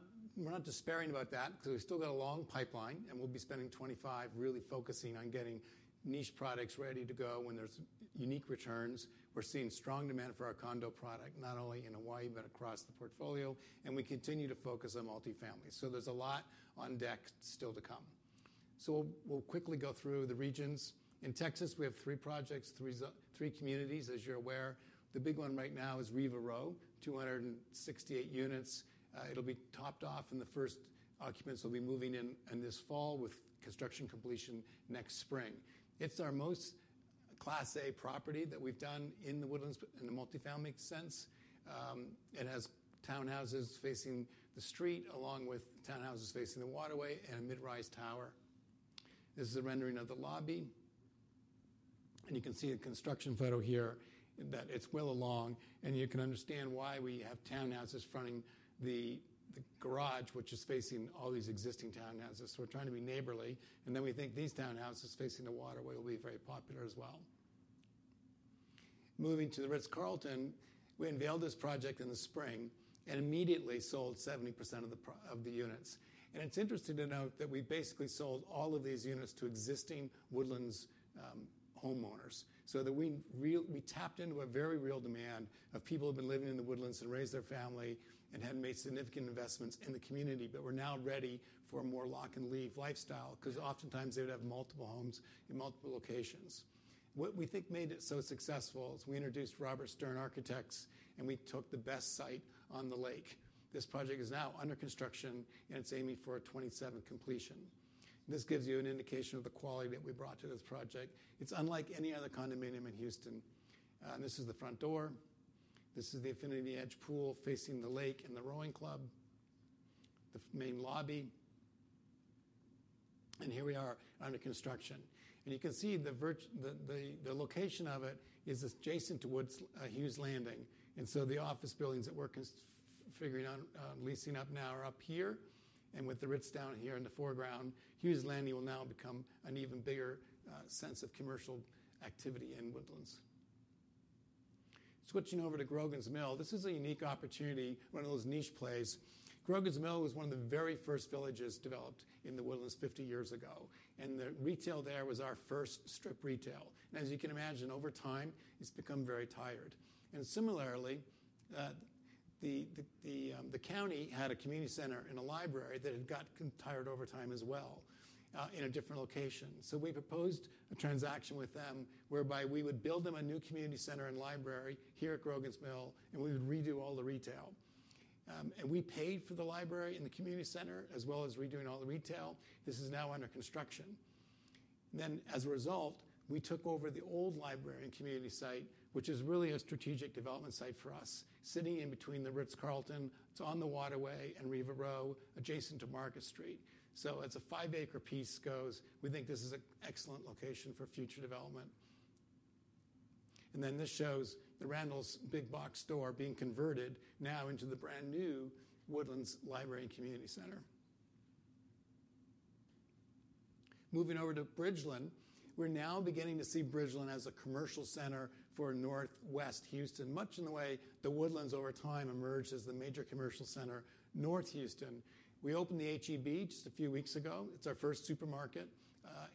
Speaker 3: despairing about that because we've still got a long pipeline. And we'll be spending in 2025 really focusing on getting niche products ready to go when there's unique returns. We're seeing strong demand for our condo product, not only in Hawaii but across the portfolio. And we continue to focus on multifamily. There's a lot on deck still to come. We'll quickly go through the regions. In Texas, we have three projects, three communities, as you're aware. The big one right now is Riva Row, 268 units. It'll be topped off. The first occupants will be moving in this fall with construction completion next spring. It's our most Class A property that we've done in The Woodlands in the multifamily sense. It has townhouses facing the street along with townhouses facing the Waterway and a mid-rise tower. This is a rendering of the lobby. And you can see the construction photo here that it's well along. And you can understand why we have townhouses fronting the garage, which is facing all these existing townhouses. So we're trying to be neighborly. And then we think these townhouses facing the Waterway will be very popular as well. Moving to the Ritz-Carlton, we unveiled this project in the spring and immediately sold 70% of the units, and it's interesting to note that we basically sold all of these units to existing Woodlands homeowners so that we tapped into a very real demand of people who have been living in the Woodlands and raised their family and had made significant investments in the community, but were now ready for a more lock-and-leave lifestyle because oftentimes they would have multiple homes in multiple locations. What we think made it so successful is we introduced Robert A.M. Stern Architects, and we took the best site on the lake. This project is now under construction, and it's aiming for a 2027 completion. This gives you an indication of the quality that we brought to this project. It's unlike any other condominium in Houston. This is the front door. This is the infinity edge pool facing the lake and the rowing club, the main lobby. And here we are under construction. And you can see the location of it is adjacent to Hughes Landing. And so the office buildings that we're figuring out leasing up now are up here. And with the Ritz down here in the foreground, Hughes Landing will now become an even bigger sense of commercial activity in The Woodlands. Switching over to Grogan's Mill, this is a unique opportunity, one of those niche plays. Grogan's Mill was one of the very first villages developed in The Woodlands 50 years ago. And the retail there was our first strip retail. And as you can imagine, over time, it's become very tired. And similarly, the county had a community center and a library that had gotten tired over time as well in a different location. We proposed a transaction with them whereby we would build them a new community center and library here at Grogan's Mill, and we would redo all the retail. We paid for the library and the community center as well as redoing all the retail. This is now under construction. As a result, we took over the old library and community site, which is really a strategic development site for us, sitting in between the Ritz-Carlton. It's on the Waterway and Riva Row, adjacent to Market Street. As a five-acre piece goes, we think this is an excellent location for future development. This shows the Randalls big box store being converted now into the brand new Woodlands Library and Community Center. Moving over to Bridgeland, we're now beginning to see Bridgeland as a commercial center for Northwest Houston, much in the way The Woodlands over time emerged as the major commercial center North Houston. We opened the H-E-B just a few weeks ago. It's our first supermarket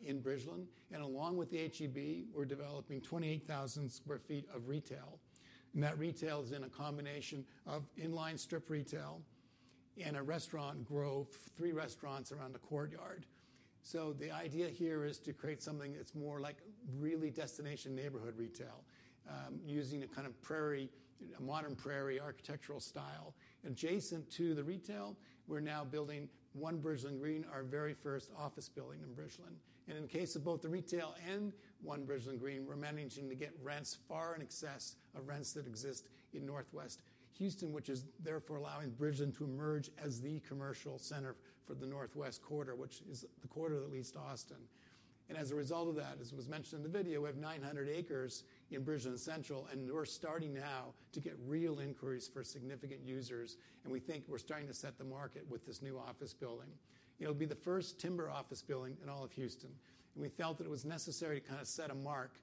Speaker 3: in Bridgeland. And along with the H-E-B, we're developing 28,000 sq ft of retail. And that retail is in a combination of inline strip retail and a restaurant grove, three restaurants around the courtyard. So the idea here is to create something that's more like really destination neighborhood retail using a kind of modern prairie architectural style. Adjacent to the retail, we're now building One Bridgeland Green, our very first office building in Bridgeland. In the case of both the retail and One Bridgeland Green, we're managing to get rents far in excess of rents that exist in Northwest Houston, which is therefore allowing Bridgeland to emerge as the commercial center for the Northwest quarter, which is the quarter that leads to Austin. As a result of that, as was mentioned in the video, we have 900 acres in Bridgeland Central. We're starting now to get real inquiries for significant users. We think we're starting to set the market with this new office building. It'll be the first timber office building in all of Houston. We felt that it was necessary to kind of set a mark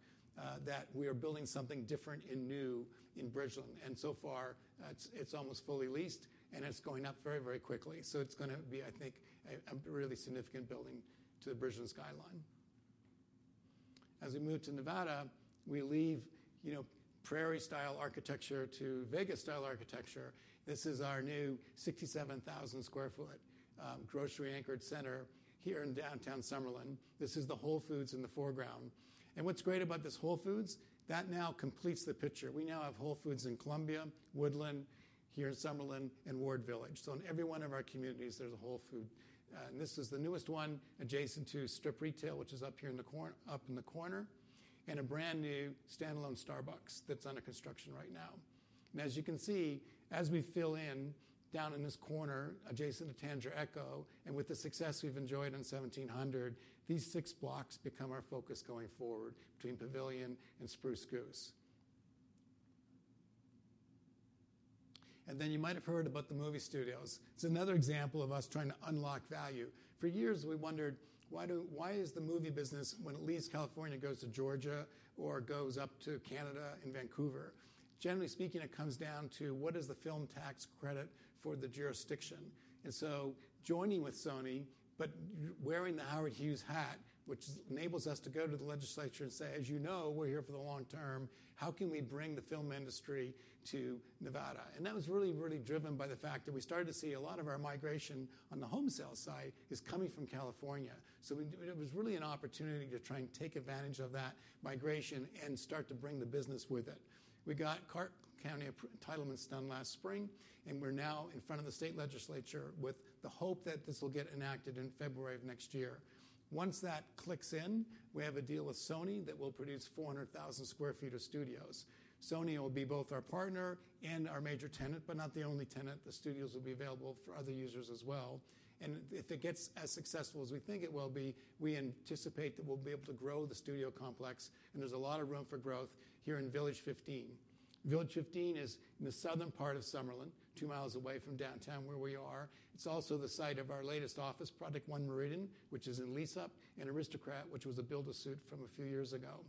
Speaker 3: that we are building something different and new in Bridgeland. So far, it's almost fully leased, and it's going up very, very quickly. It's going to be, I think, a really significant building to the Bridgeland skyline. As we move to Nevada, we leave prairie-style architecture to Vegas-style architecture. This is our new 67,000 sq ft grocery-anchored center here in Downtown Summerlin. This is the Whole Foods in the foreground. And what's great about this Whole Foods, that now completes the picture. We now have Whole Foods in Columbia, The Woodlands, here in Summerlin, and Ward Village. In every one of our communities, there's a Whole Foods. And this is the newest one adjacent to strip retail, which is up here in the corner, and a brand new standalone Starbucks that's under construction right now. As you can see, as we fill in down in this corner adjacent to Tanager Echo, and with the success we've enjoyed in 1700, these six blocks become our focus going forward between Pavilion and Spruce Goose. Then you might have heard about the movie studios. It's another example of us trying to unlock value. For years, we wondered, why is the movie business, when it leaves California, goes to Georgia or goes up to Canada and Vancouver? Generally speaking, it comes down to what is the film tax credit for the jurisdiction. So joining with Sony, but wearing the Howard Hughes hat, which enables us to go to the legislature and say, as you know, we're here for the long term, how can we bring the film industry to Nevada? And that was really, really driven by the fact that we started to see a lot of our migration on the home sale side is coming from California. So it was really an opportunity to try and take advantage of that migration and start to bring the business with it. We got Clark County entitlements done last spring, and we're now in front of the state legislature with the hope that this will get enacted in February of next year. Once that clicks in, we have a deal with Sony that will produce 400,000 sq ft of studios. Sony will be both our partner and our major tenant, but not the only tenant. The studios will be available for other users as well. And if it gets as successful as we think it will be, we anticipate that we'll be able to grow the studio complex. There's a lot of room for growth here in Village 15. Village 15 is in the southern part of Summerlin, two miles away from downtown where we are. It's also the site of our latest office project, One Meridian, which is in lease up, and Aristocrat, which was a build-to-suit from a few years ago.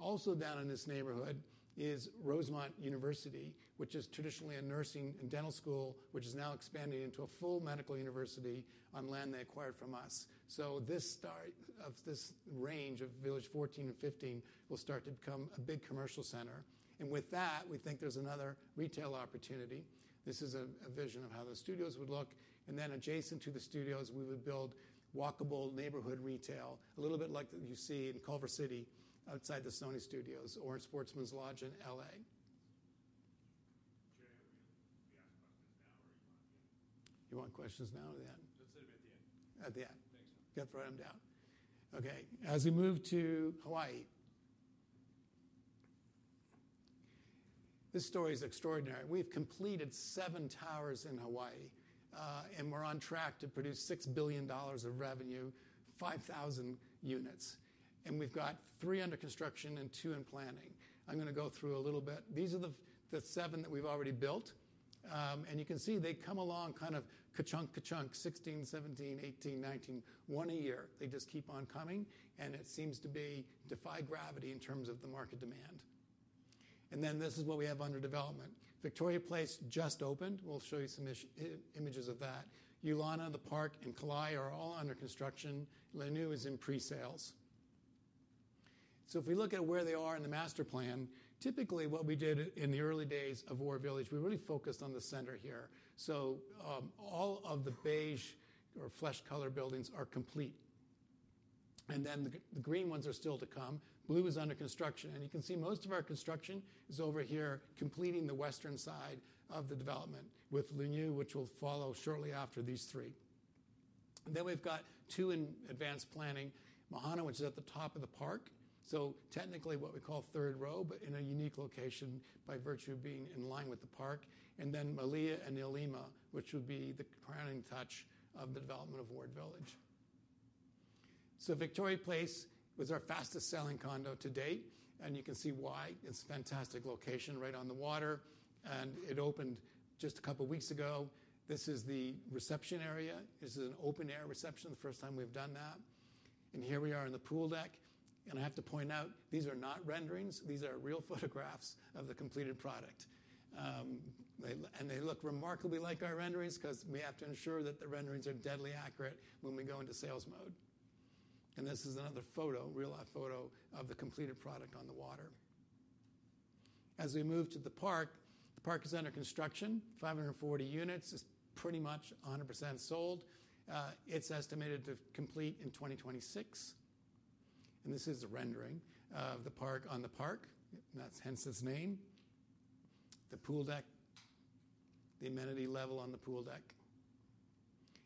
Speaker 3: Also down in this neighborhood is Roseman University, which is traditionally a nursing and dental school, which is now expanding into a full medical university on land they acquired from us. This range of Village 14 and 15 will start to become a big commercial center. With that, we think there's another retail opportunity. This is a vision of how the studios would look. And then adjacent to the studios, we would build walkable neighborhood retail, a little bit like you see in Culver City outside the Sony Studios or in Sportsman's Lodge in LA. Jay, are we going to be asked questions now or are you wanting to get? You want questions now or then? Let's hit them at the end. At the end. Thanks. Good. Write them down. Okay. As we move to Hawaii, this story is extraordinary. We've completed seven towers in Hawaii, and we're on track to produce $6 billion of revenue, 5,000 units. And we've got three under construction and two in planning. I'm going to go through a little bit. These are the seven that we've already built. And you can see they come along kind of ka-chunk, ka-chunk, 16, 17, 18, 19, one a year. They just keep on coming. It seems to be defying gravity in terms of the market demand. And then this is what we have under development. Victoria Place just opened. We'll show you some images of that. Ulana, The Park, and Kala'e are all under construction. Launiu is in pre-sales. So if we look at where they are in the master plan, typically what we did in the early days of Ward Village, we really focused on the center here. So all of the beige or flesh-colored buildings are complete. And then the green ones are still to come. Blue is under construction. And you can see most of our construction is over here completing the western side of the development with Launiu, which will follow shortly after these three. And then we've got two in advanced planning, Mahana, which is at the top of the park. So, technically what we call third row, but in a unique location by virtue of being in line with the park. And then Melia and 'Ilima, which would be the crowning touch of the development of Ward Village. So Victoria Place was our fastest-selling condo to date. And you can see why. It's a fantastic location right on the water. And it opened just a couple of weeks ago. This is the reception area. This is an open-air reception, the first time we've done that. And here we are in the pool deck. And I have to point out, these are not renderings. These are real photographs of the completed product. And they look remarkably like our renderings because we have to ensure that the renderings are deadly accurate when we go into sales mode. And this is another photo, real-life photo of the completed product on the water. As we move to the park, the park is under construction, 540 units, is pretty much 100% sold. It's estimated to complete in 2026. This is a rendering of the park on the park. That's hence its name. The pool deck, the amenity level on the pool deck,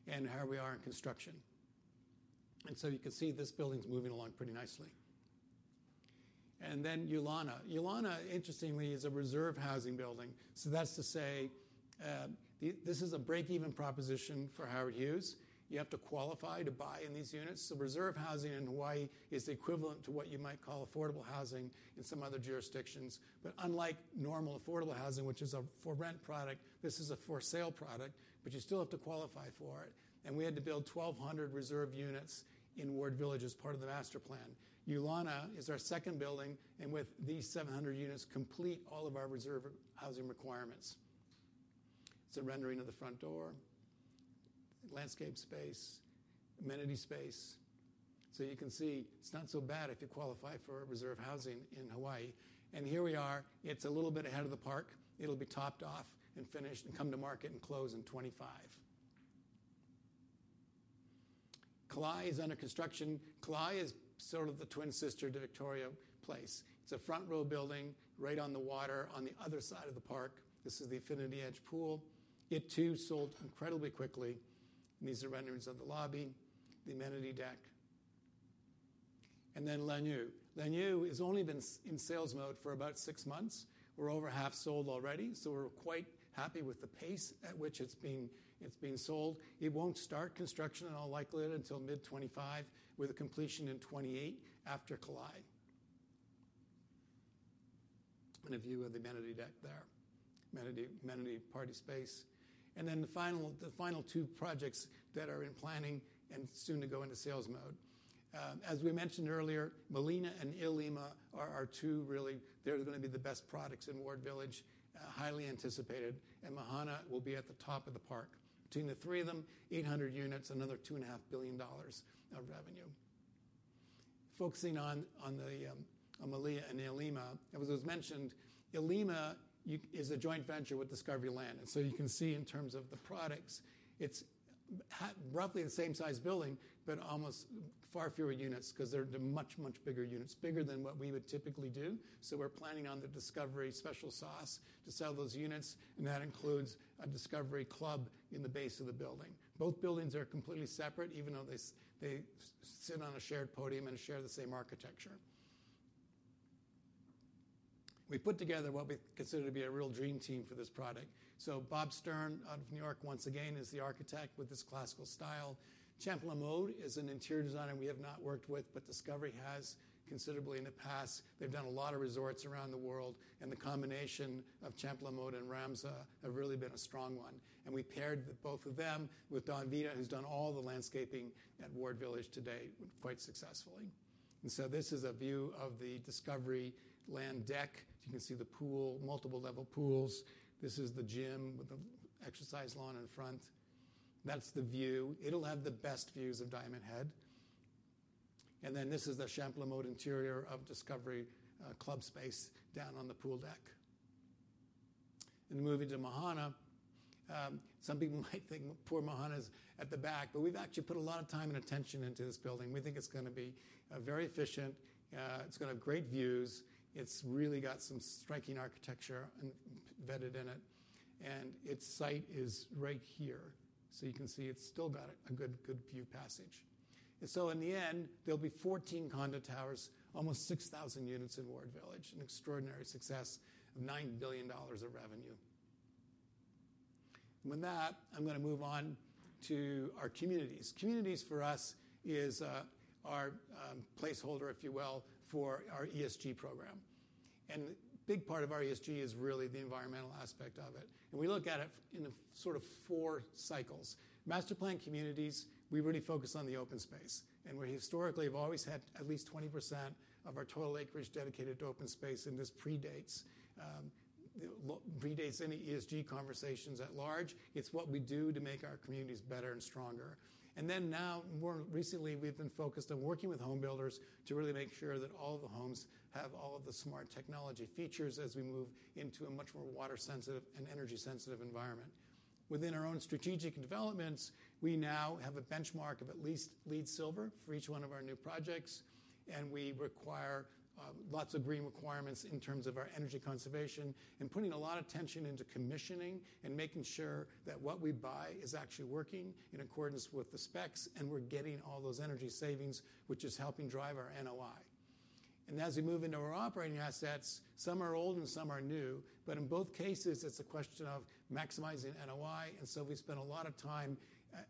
Speaker 3: and how we are in construction. So you can see this building's moving along pretty nicely. Then Ulana. Ulana, interestingly, is a reserve housing building. That's to say this is a break-even proposition for Howard Hughes. You have to qualify to buy in these units. Reserve housing in Hawaii is equivalent to what you might call affordable housing in some other jurisdictions. But unlike normal affordable housing, which is a for-rent product, this is a for-sale product, but you still have to qualify for it. And we had to build 1,200 reserve units in Ward Village as part of the master plan. Ulana is our second building, and with these 700 units, complete all of our reserve housing requirements. It's a rendering of the front door, landscape space, amenity space. So you can see it's not so bad if you qualify for reserve housing in Hawaii. And here we are. It's a little bit ahead of the park. It'll be topped off and finished and come to market and close in 2025. Kala'e is under construction. Kala'e is sort of the twin sister to Victoria Place. It's a front row building right on the water on the other side of the park. This is the infinity edge pool. It too sold incredibly quickly. These are renderings of the lobby, the amenity deck. And then Launiu. Launiu has only been in sales mode for about six months. We're over half sold already. So we're quite happy with the pace at which it's being sold. It won't start construction in all likelihood until mid-2025 with a completion in 2028 after Kala'e. And a view of the amenity deck there, amenity party space. And then the final two projects that are in planning and soon to go into sales mode. As we mentioned earlier, Melia and 'Ilima are two really they're going to be the best products in Ward Village, highly anticipated. And Mahana will be at the top of the park. Between the three of them, 800 units, another $2.5 billion of revenue. Focusing on Melia and 'Ilima, as was mentioned, 'Ilima is a joint venture with Discovery Land. You can see in terms of the products, it's roughly the same size building, but a lot fewer units because they're much, much bigger units, bigger than what we would typically do. We're planning on the Discovery special sauce to sell those units. That includes a Discovery Club in the base of the building. Both buildings are completely separate, even though they sit on a shared podium and share the same architecture. We put together what we consider to be a real dream team for this product. Bob Stern out of New York once again is the architect with this classical style. Champalimaud is an interior designer we have not worked with, but Discovery has considerably in the past. They've done a lot of resorts around the world. The combination of Champalimaud and RAMSA have really been a strong one. We paired both of them with Don Vita, who's done all the landscaping at Ward Village today, quite successfully. So this is a view of the Discovery Land deck. You can see the pool, multiple level pools. This is the gym with the exercise lawn in front. That's the view. It'll have the best views of Diamond Head. Then this is the Champalimaud interior of Discovery Club space down on the pool deck. Moving to Mahana, some people might think poor Mahana is at the back, but we've actually put a lot of time and attention into this building. We think it's going to be very efficient. It's going to have great views. It's really got some striking architecture embedded in it. Its site is right here. So you can see it's still got a good view passage. And so in the end, there'll be 14 condo towers, almost 6,000 units in Ward Village, an extraordinary success of $9 billion of revenue. And with that, I'm going to move on to our communities. Communities for us is our placeholder, if you will, for our ESG program. And a big part of our ESG is really the environmental aspect of it. And we look at it in sort of four cycles. Master plan communities, we really focus on the open space. And we historically have always had at least 20% of our total acreage dedicated to open space, and this predates any ESG conversations at large. It's what we do to make our communities better and stronger. And then now, more recently, we've been focused on working with home builders to really make sure that all of the homes have all of the smart technology features as we move into a much more water-sensitive and energy-sensitive environment. Within our own strategic developments, we now have a benchmark of at least LEED Silver for each one of our new projects. We require lots of green requirements in terms of our energy conservation and putting a lot of attention into commissioning and making sure that what we buy is actually working in accordance with the specs. We're getting all those energy savings, which is helping drive our NOI. As we move into our operating assets, some are old and some are new. In both cases, it's a question of maximizing NOI. We spend a lot of time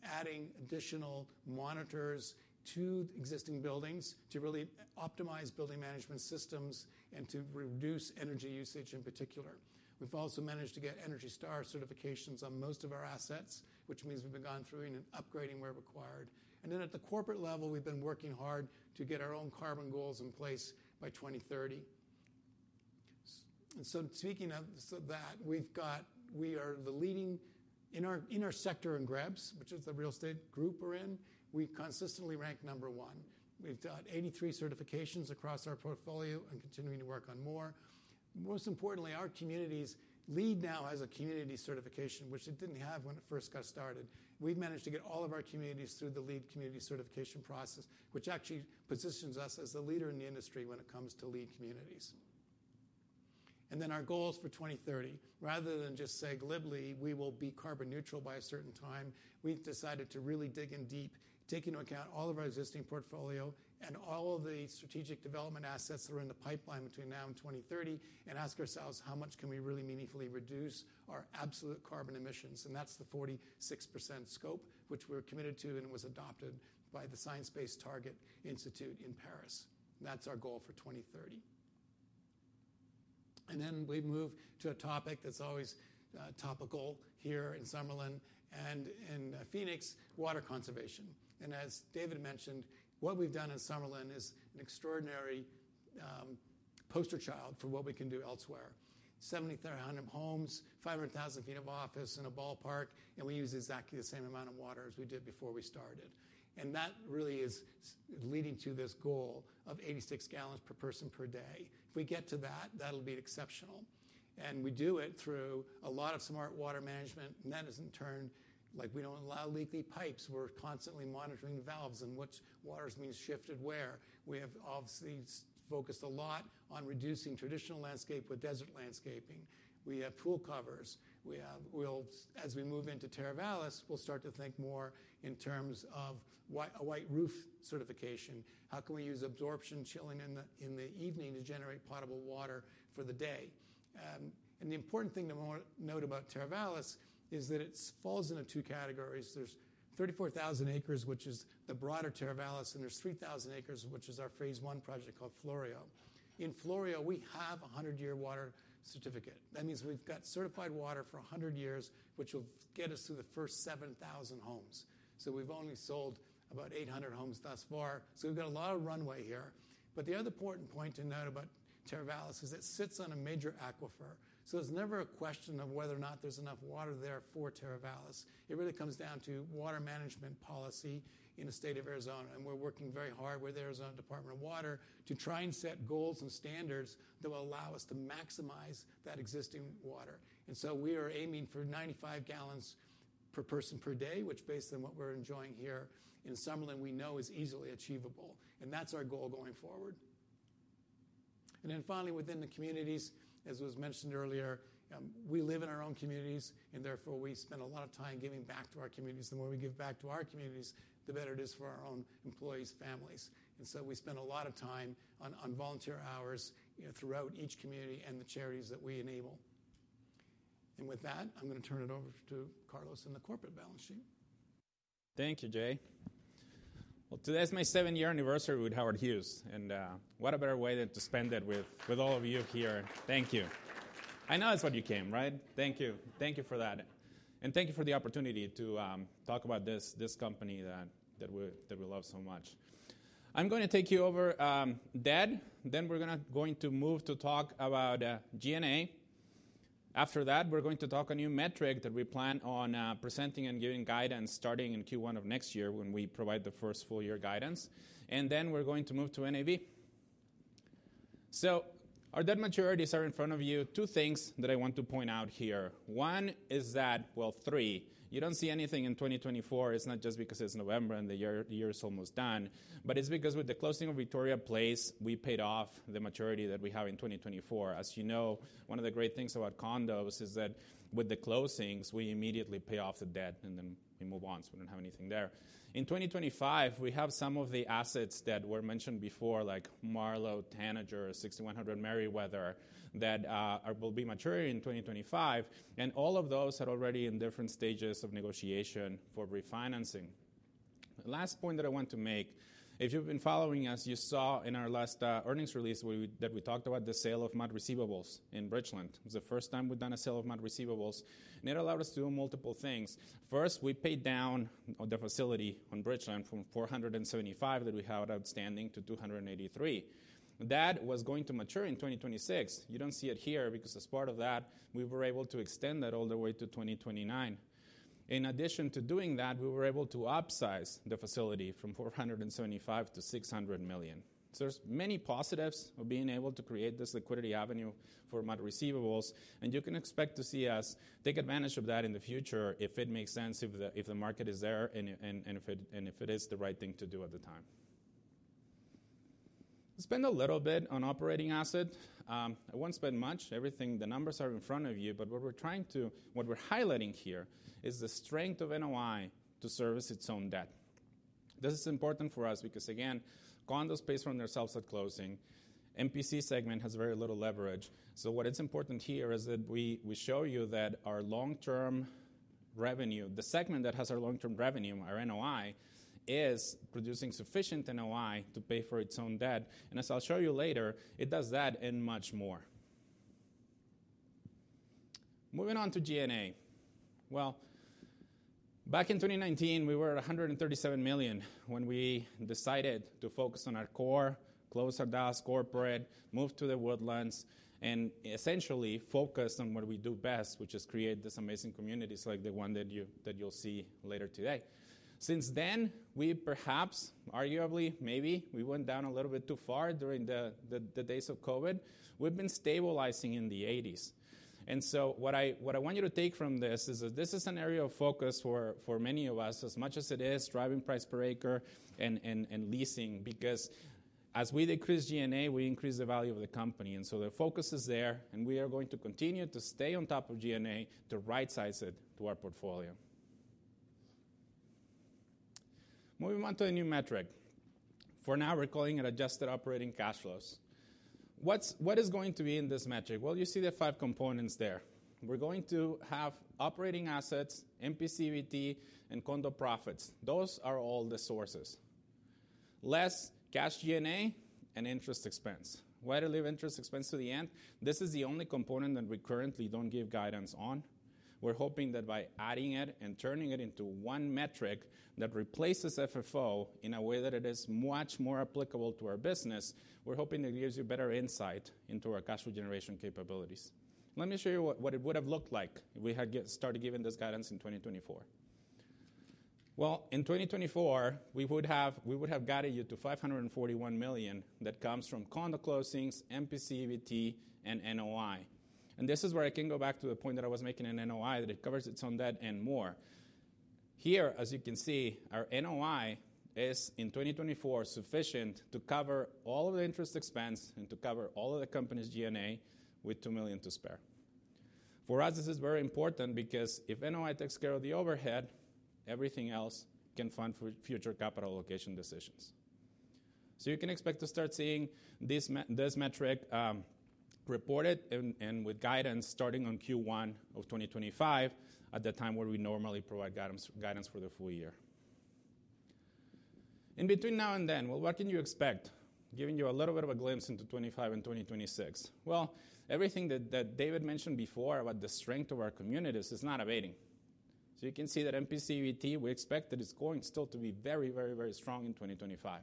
Speaker 3: adding additional monitors to existing buildings to really optimize building management systems and to reduce energy usage in particular. We've also managed to get Energy Star certifications on most of our assets, which means we've gone through and upgrading where required. Then at the corporate level, we've been working hard to get our own carbon goals in place by 2030. Speaking of that, we are the leading in our sector in GRESB, which is the real estate group we're in. We consistently rank number one. We've got 83 certifications across our portfolio and continuing to work on more. Most importantly, we lead now as a community certification, which it didn't have when it first got started. We've managed to get all of our communities through the LEED community certification process, which actually positions us as the leader in the industry when it comes to LEED communities, and then our goals for 2030, rather than just say glibly, we will be carbon neutral by a certain time, we've decided to really dig in deep, take into account all of our existing portfolio and all of the strategic development assets that are in the pipeline between now and 2030, and ask ourselves how much can we really meaningfully reduce our absolute carbon emissions, and that's the 46% scope, which we're committed to and was adopted by the Science Based Targets initiative in Paris. That's our goal for 2030, and then we move to a topic that's always topical here in Summerlin and in Phoenix, water conservation. And as David mentioned, what we've done in Summerlin is an extraordinary poster child for what we can do elsewhere. 7,300 homes, 500,000 sq ft of office, a ballpark, and we use exactly the same amount of water as we did before we started. And that really is leading to this goal of 86 gallons per person per day. If we get to that, that'll be exceptional. And we do it through a lot of smart water management. And that is in turn, like we don't allow leaky pipes. We're constantly monitoring valves and which waters we shifted where. We have obviously focused a lot on reducing traditional landscape with desert landscaping. We have pool covers. As we move into Teravalis, we'll start to think more in terms of a white roof certification. How can we use absorption chilling in the evening to generate potable water for the day? The important thing to note about Teravalis is that it falls into two categories. There's 34,000 acres, which is the broader Teravalis, and there's 3,000 acres, which is our phase one project called Floreo. In Floreo, we have a 100-year water certificate. That means we've got certified water for 100 years, which will get us through the first 7,000 homes. We've only sold about 800 homes thus far. We've got a lot of runway here. The other important point to note about Teravalis is it sits on a major aquifer. It's never a question of whether or not there's enough water there for Teravalis. It really comes down to water management policy in the state of Arizona. And we're working very hard with the Arizona Department of Water to try and set goals and standards that will allow us to maximize that existing water. And so we are aiming for 95 gallons per person per day, which based on what we're enjoying here in Summerlin, we know is easily achievable. And that's our goal going forward. And then finally, within the communities, as was mentioned earlier, we live in our own communities, and therefore we spend a lot of time giving back to our communities. The more we give back to our communities, the better it is for our own employees, families. And so we spend a lot of time on volunteer hours throughout each community and the charities that we enable. And with that, I'm going to turn it over to Carlos and the corporate balance sheet.
Speaker 4: Thank you, Jay. Today is my seven-year anniversary with Howard Hughes. What a better way than to spend it with all of you here. Thank you. I know that's what you came, right? Thank you. Thank you for that. Thank you for the opportunity to talk about this company that we love so much. I'm going to take you through debt. We're going to move to talk about NOI. After that, we're going to talk about our metric that we plan on presenting and giving guidance starting in Q1 of next year when we provide the first full-year guidance. We're going to move to NAV. Our debt maturities are in front of you. Two things that I want to point out here. One is that, well, three. You don't see anything in 2024. It's not just because it's November and the year is almost done, but it's because with the closing of Victoria Place, we paid off the maturity that we have in 2024. As you know, one of the great things about condos is that with the closings, we immediately pay off the debt and then we move on. So we don't have anything there. In 2025, we have some of the assets that were mentioned before, like Marlow, Tanager, 6100 Merriweather, that will be maturing in 2025. And all of those are already in different stages of negotiation for refinancing. The last point that I want to make, if you've been following us, you saw in our last earnings release that we talked about the sale of MUD receivables in Bridgeland. It was the first time we've done a sale of MUD receivables. And it allowed us to do multiple things. First, we paid down the facility on Bridgeland from $475 million that we had outstanding to $283 million. That was going to mature in 2026. You don't see it here because as part of that, we were able to extend that all the way to 2029. In addition to doing that, we were able to upsize the facility from $475 million to $600 million. So there's many positives of being able to create this liquidity avenue for MUD receivables. And you can expect to see us take advantage of that in the future if it makes sense, if the market is there, and if it is the right thing to do at the time. We spend a little bit on operating asset. I won't spend much. The numbers are in front of you. But what we're trying to, what we're highlighting here is the strength of NOI to service its own debt. This is important for us because, again, condos pay for themselves at closing. MPC segment has very little leverage. So what is important here is that we show you that our long-term revenue, the segment that has our long-term revenue, our NOI, is producing sufficient NOI to pay for its own debt. And as I'll show you later, it does that and much more. Moving on to G&A. Well, back in 2019, we were at $137 million when we decided to focus on our core, close our Dallas corporate, move to The Woodlands, and essentially focus on what we do best, which is create this amazing community like the one that you'll see later today. Since then, we perhaps, arguably, maybe we went down a little bit too far during the days of COVID. We've been stabilizing in the $80s million. And so what I want you to take from this is that this is an area of focus for many of us, as much as it is driving price per acre and leasing, because as we decrease G&A, we increase the value of the company. And so the focus is there, and we are going to continue to stay on top of G&A to right-size it to our portfolio. Moving on to a new metric. For now, we're calling it adjusted operating cash flows. What is going to be in this metric? Well, you see the five components there. We're going to have operating assets, MPC EBT, and condo profits. Those are all the sources. Less cash G&A and interest expense. Why did I leave interest expense to the end? This is the only component that we currently don't give guidance on. We're hoping that by adding it and turning it into one metric that replaces FFO in a way that it is much more applicable to our business, we're hoping that it gives you better insight into our cash generation capabilities. Let me show you what it would have looked like if we had started giving this guidance in 2024. In 2024, we would have guided you to $541 million that comes from condo closings, MPC EBT, and NOI. This is where I can go back to the point that I was making in NOI that it covers its own debt and more. Here, as you can see, our NOI is in 2024 sufficient to cover all of the interest expense and to cover all of the company's G&A with $2 million to spare. For us, this is very important because if NOI takes care of the overhead, everything else can fund future capital allocation decisions. So you can expect to start seeing this metric reported and with guidance starting on Q1 of 2025 at the time where we normally provide guidance for the full year. In between now and then, well, what can you expect? Giving you a little bit of a glimpse into 2025 and 2026. Well, everything that David mentioned before about the strength of our communities is not abating. So you can see that MPC EBT, we expect that it's going still to be very, very, very strong in 2025.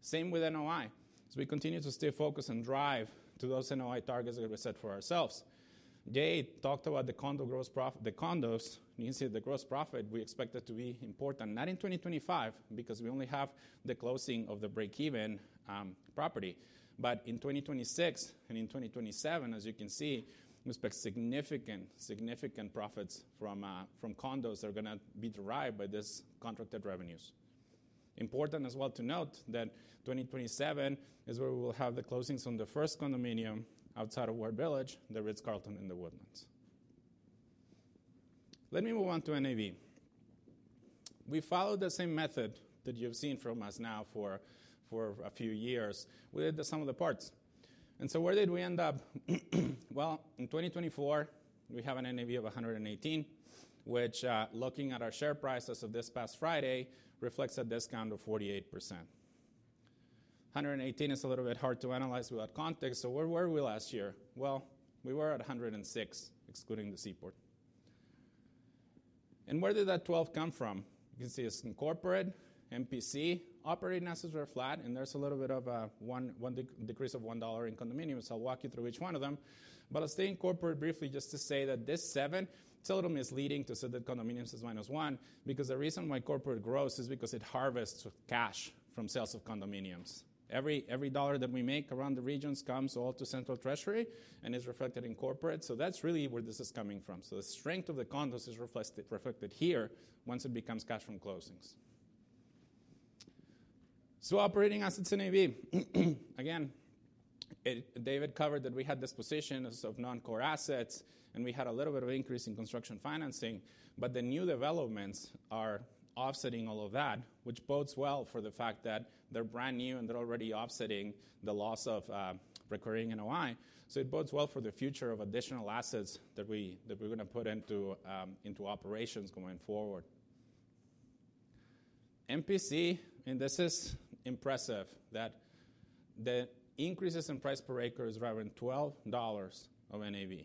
Speaker 4: Same with NOI. So we continue to stay focused and drive to those NOI targets that we set for ourselves. Jay talked about the condo gross profit. The condos, and you can see the gross profit. We expect that to be important, not in 2025 because we only have the closing of the break-even property, but in 2026 and in 2027, as you can see. We expect significant, significant profits from condos that are going to be derived by this contracted revenues. Important as well to note that 2027 is where we will have the closings on the first condominium outside of Ward Village, the Ritz-Carlton in The Woodlands. Let me move on to NAV. We followed the same method that you've seen from us now for a few years. We did sum of the parts, and so where did we end up? Well, in 2024, we have an NAV of $118, which looking at our share price as of this past Friday reflects a discount of 48%. 118 is a little bit hard to analyze without context. So where were we last year? Well, we were at 106, excluding the seaport. And where did that 12 come from? You can see it's in corporate. MPC operating assets are flat, and there's a little bit of a decrease of $1 in condominiums. I'll walk you through each one of them. But I'll stay in corporate briefly just to say that this seven, it's a little misleading to say that condominiums is minus one because the reason why corporate grows is because it harvests cash from sales of condominiums. Every dollar that we make around the regions comes all to central treasury and is reflected in corporate. So that's really where this is coming from. So the strength of the condos is reflected here once it becomes cash from closings. So operating assets in AV. Again, David covered that we had this position of non-core assets, and we had a little bit of increase in construction financing, but the new developments are offsetting all of that, which bodes well for the fact that they're brand new and they're already offsetting the loss of recurring NOI. So it bodes well for the future of additional assets that we're going to put into operations going forward. MPC, and this is impressive, that the increases in price per acre is driving $12 of NAV.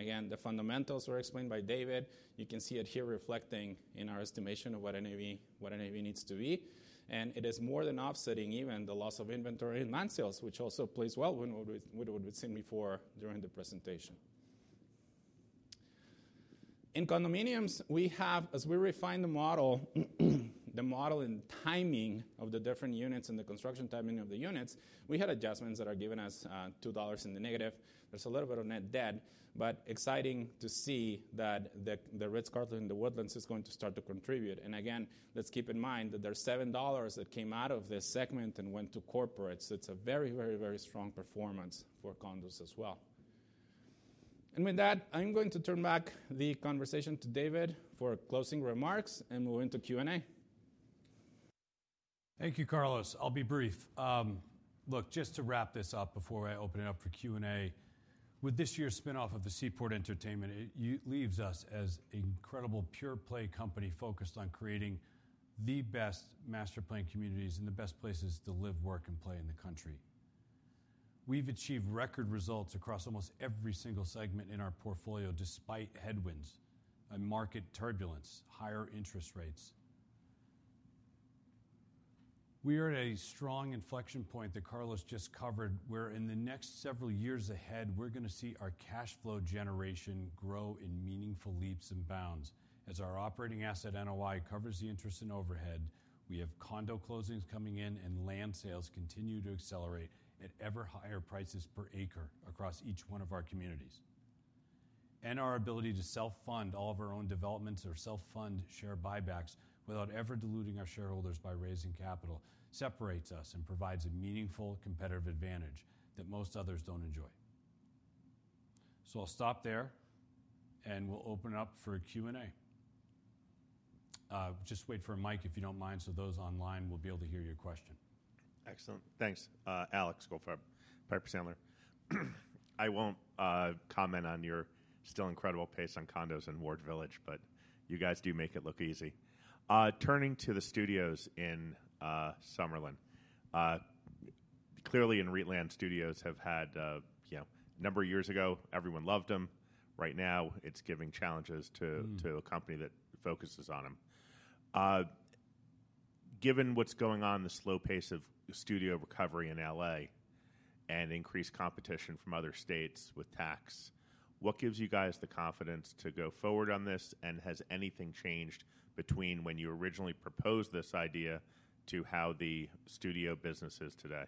Speaker 4: Again, the fundamentals were explained by David. You can see it here reflecting in our estimation of what NAV needs to be. And it is more than offsetting even the loss of inventory in land sales, which also plays well with what we've seen before during the presentation. In condominiums, we have, as we refine the model, the model and timing of the different units and the construction timing of the units, we had adjustments that are giving us -$2. There's a little bit of net debt, but exciting to see that the Ritz-Carlton in The Woodlands is going to start to contribute. And again, let's keep in mind that there's $7 that came out of this segment and went to corporate. So it's a very, very, very strong performance for condos as well. And with that, I'm going to turn back the conversation to David for closing remarks and move into Q&A.
Speaker 2: Thank you, Carlos. I'll be brief. Look, just to wrap this up before I open it up for Q&A, with this year's spinoff of the Seaport Entertainment, it leaves us as an incredible pure-play company focused on creating the best master-planned communities and the best places to live, work, and play in the country. We've achieved record results across almost every single segment in our portfolio despite headwinds, market turbulence, and higher interest rates. We are at a strong inflection point that Carlos just covered where in the next several years ahead, we're going to see our cash flow generation grow in meaningful leaps and bounds as our operating asset NOI covers the interest and overhead. We have condo closings coming in, and land sales continue to accelerate at ever higher prices per acre across each one of our communities. Our ability to self-fund all of our own developments or self-fund share buybacks without ever diluting our shareholders by raising capital separates us and provides a meaningful competitive advantage that most others don't enjoy. So I'll stop there, and we'll open it up for a Q&A. Just wait for a mic, if you don't mind, so those online will be able to hear your question.
Speaker 5: Excellent. Thanks, Alex Goldfarb, Piper Sandler. I won't comment on your still incredible pace on condos in Ward Village, but you guys do make it look easy. Turning to the studios in Summerlin, clearly in the land, studios had a number of years ago, everyone loved them. Right now, it's giving challenges to a company that focuses on them. Given what's going on, the slow pace of studio recovery in LA and increased competition from other states with tax, what gives you guys the confidence to go forward on this? And has anything changed between when you originally proposed this idea to how the studio business is today?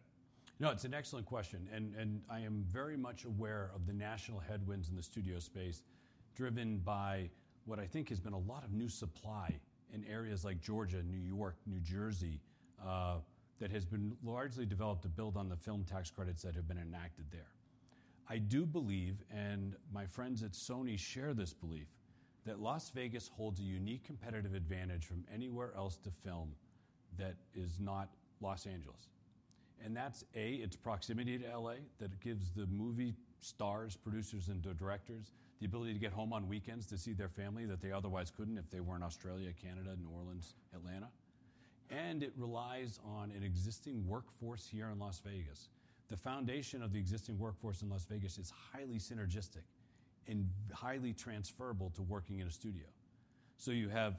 Speaker 2: No, it's an excellent question, and I am very much aware of the national headwinds in the studio space driven by what I think has been a lot of new supply in areas like Georgia, New York, New Jersey that has been largely developed to build on the film tax credits that have been enacted there. I do believe, and my friends at Sony share this belief, that Las Vegas holds a unique competitive advantage from anywhere else to film that is not Los Angeles. That's a, its proximity to LA that gives the movie stars, producers, and directors the ability to get home on weekends to see their family that they otherwise couldn't if they were in Australia, Canada, New Orleans, Atlanta. It relies on an existing workforce here in Las Vegas. The foundation of the existing workforce in Las Vegas is highly synergistic and highly transferable to working in a studio. You have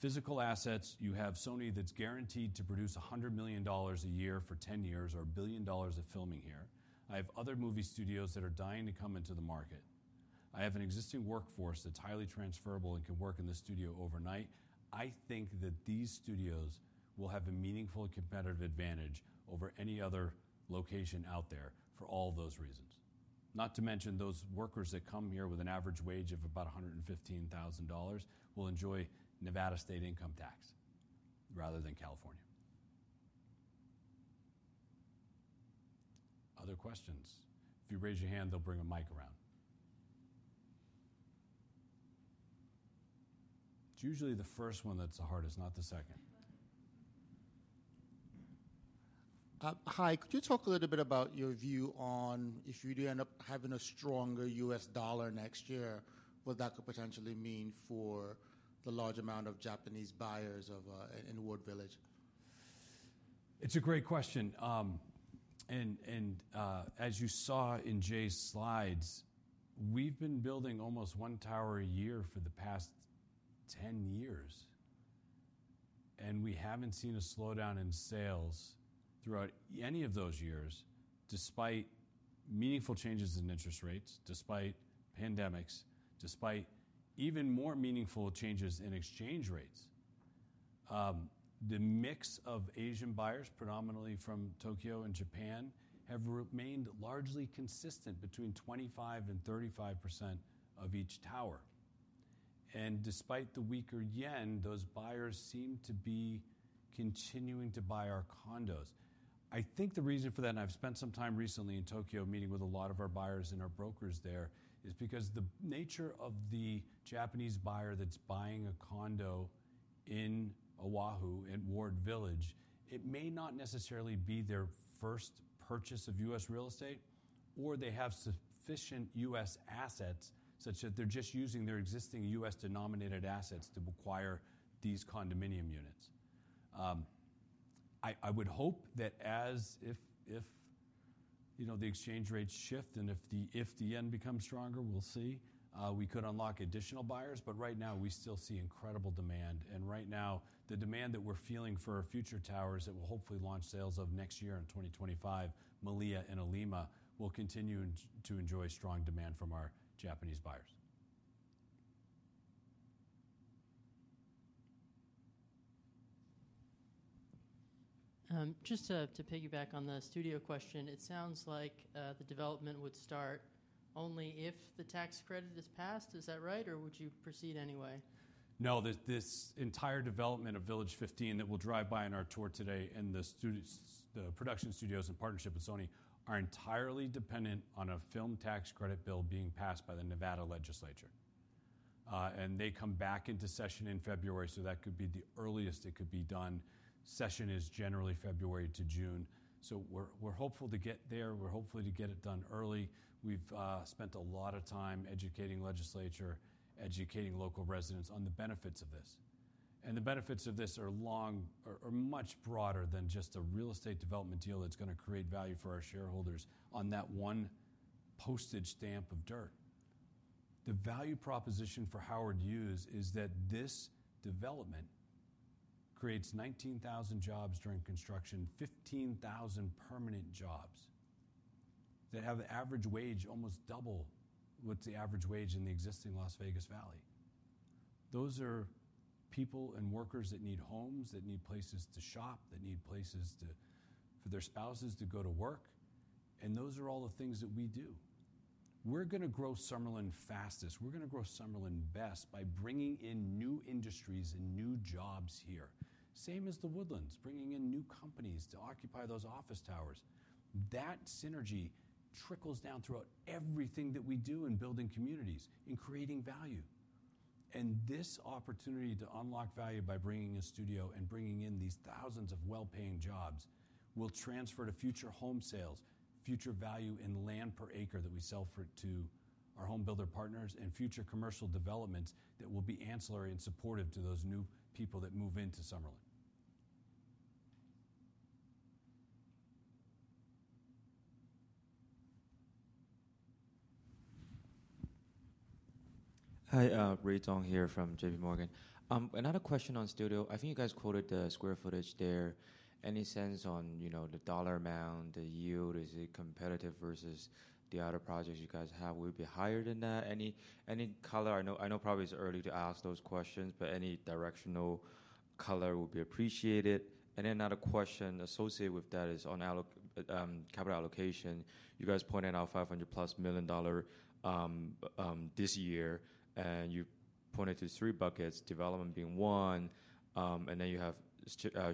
Speaker 2: physical assets. You have Sony that's guaranteed to produce $100 million a year for 10 years or $1 billion of filming here. Other movie studios are dying to come into the market. An existing workforce that's highly transferable can work in the studio overnight. These studios will have a meaningful competitive advantage over any other location out there for all those reasons. Not to mention those workers that come here with an average wage of about $115,000 will enjoy Nevada state income tax rather than California. Other questions? If you raise your hand, they'll bring a mic around. It's usually the first one that's the hardest, not the second. Hi, could you talk a little bit about your view on if you do end up having a stronger U.S. dollar next year, what that could potentially mean for the large amount of Japanese buyers in Ward Village? It's a great question. And as you saw in Jay's slides, we've been building almost one tower a year for the past 10 years. And we haven't seen a slowdown in sales throughout any of those years, despite meaningful changes in interest rates, despite pandemics, despite even more meaningful changes in exchange rates. The mix of Asian buyers, predominantly from Tokyo and Japan, have remained largely consistent between 25% and 35% of each tower and despite the weaker yen, those buyers seem to be continuing to buy our condos. I think the reason for that, and I've spent some time recently in Tokyo meeting with a lot of our buyers and our brokers there, is because the nature of the Japanese buyer that's buying a condo in O'ahu and Ward Village, it may not necessarily be their first purchase of U.S. real estate, or they have sufficient U.S. assets such that they're just using their existing U.S.-denominated assets to acquire these condominium units. I would hope that as if the exchange rates shift and if the yen becomes stronger, we'll see, we could unlock additional buyers, but right now, we still see incredible demand. Right now, the demand that we're feeling for our future towers that will hopefully launch sales of next year in 2025, Melia and 'Ilima, will continue to enjoy strong demand from our Japanese buyers. Just to piggyback on the studio question, it sounds like the development would start only if the tax credit is passed. Is that right? Or would you proceed anyway? No, this entire development of Village 15 that we'll drive by in our tour today and the production studios in partnership with Sony are entirely dependent on a film tax credit bill being passed by the Nevada legislature. They come back into session in February, so that could be the earliest it could be done. Session is generally February to June. We're hopeful to get there. We're hopeful to get it done early. We've spent a lot of time educating legislature, educating local residents on the benefits of this, and the benefits of this are much broader than just a real estate development deal that's going to create value for our shareholders on that one postage stamp of dirt. The value proposition for Howard Hughes is that this development creates 19,000 jobs during construction, 15,000 permanent jobs that have an average wage almost double what's the average wage in the existing Las Vegas Valley. Those are people and workers that need homes, that need places to shop, that need places for their spouses to go to work, and those are all the things that we do. We're going to grow Summerlin fastest. We're going to grow Summerlin best by bringing in new industries and new jobs here. Same as The Woodlands, bringing in new companies to occupy those office towers. That synergy trickles down throughout everything that we do in building communities, in creating value, and this opportunity to unlock value by bringing a studio and bringing in these thousands of well-paying jobs will transfer to future home sales, future value in land per acre that we sell to our homebuilder partners, and future commercial developments that will be ancillary and supportive to those new people that move into Summerlin.
Speaker 6: Hi, Ray Tong here from J.P. Morgan. Another question on studio. I think you guys quoted the square footage there. Any sense on the dollar amount, the yield? Is it competitive versus the other projects you guys have? Would it be higher than that? Any color? I know probably it's early to ask those questions, but any directional color would be appreciated. And then another question associated with that is on capital allocation. You guys pointed out $500 million-plus this year, and you pointed to three buckets, development being one, and then you have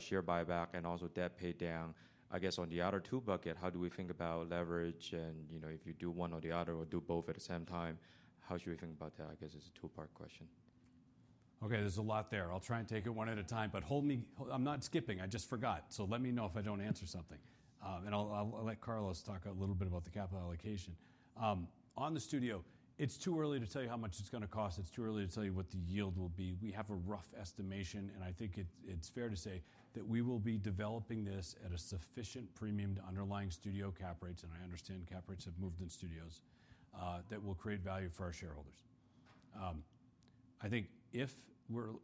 Speaker 6: share buyback and also debt pay down. I guess on the other two bucket, how do we think about leverage? And if you do one or the other or do both at the same time, how should we think about that? I guess it's a two-part question.
Speaker 2: Okay, there's a lot there. I'll try and take it one at a time, but hold me. I'm not skipping. I just forgot. So let me know if I don't answer something. And I'll let Carlos talk a little bit about the capital allocation. On the studio, it's too early to tell you how much it's going to cost. It's too early to tell you what the yield will be. We have a rough estimation, and I think it's fair to say that we will be developing this at a sufficient premium to underlying studio cap rates. And I understand cap rates have moved in studios that will create value for our shareholders. I think if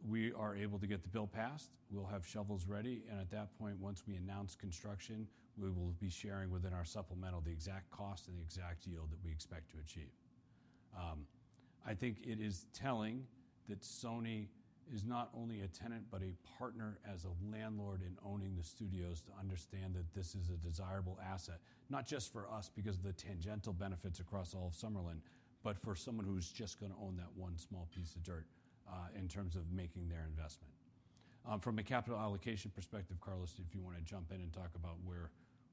Speaker 2: we are able to get the bill passed, we'll have shovels ready. And at that point, once we announce construction, we will be sharing within our supplemental the exact cost and the exact yield that we expect to achieve. I think it is telling that Sony is not only a tenant, but a partner as a landlord in owning the studios, to understand that this is a desirable asset, not just for us because of the tangential benefits across all of Summerlin, but for someone who's just going to own that one small piece of dirt in terms of making their investment. From a capital allocation perspective, Carlos, if you want to jump in and talk about where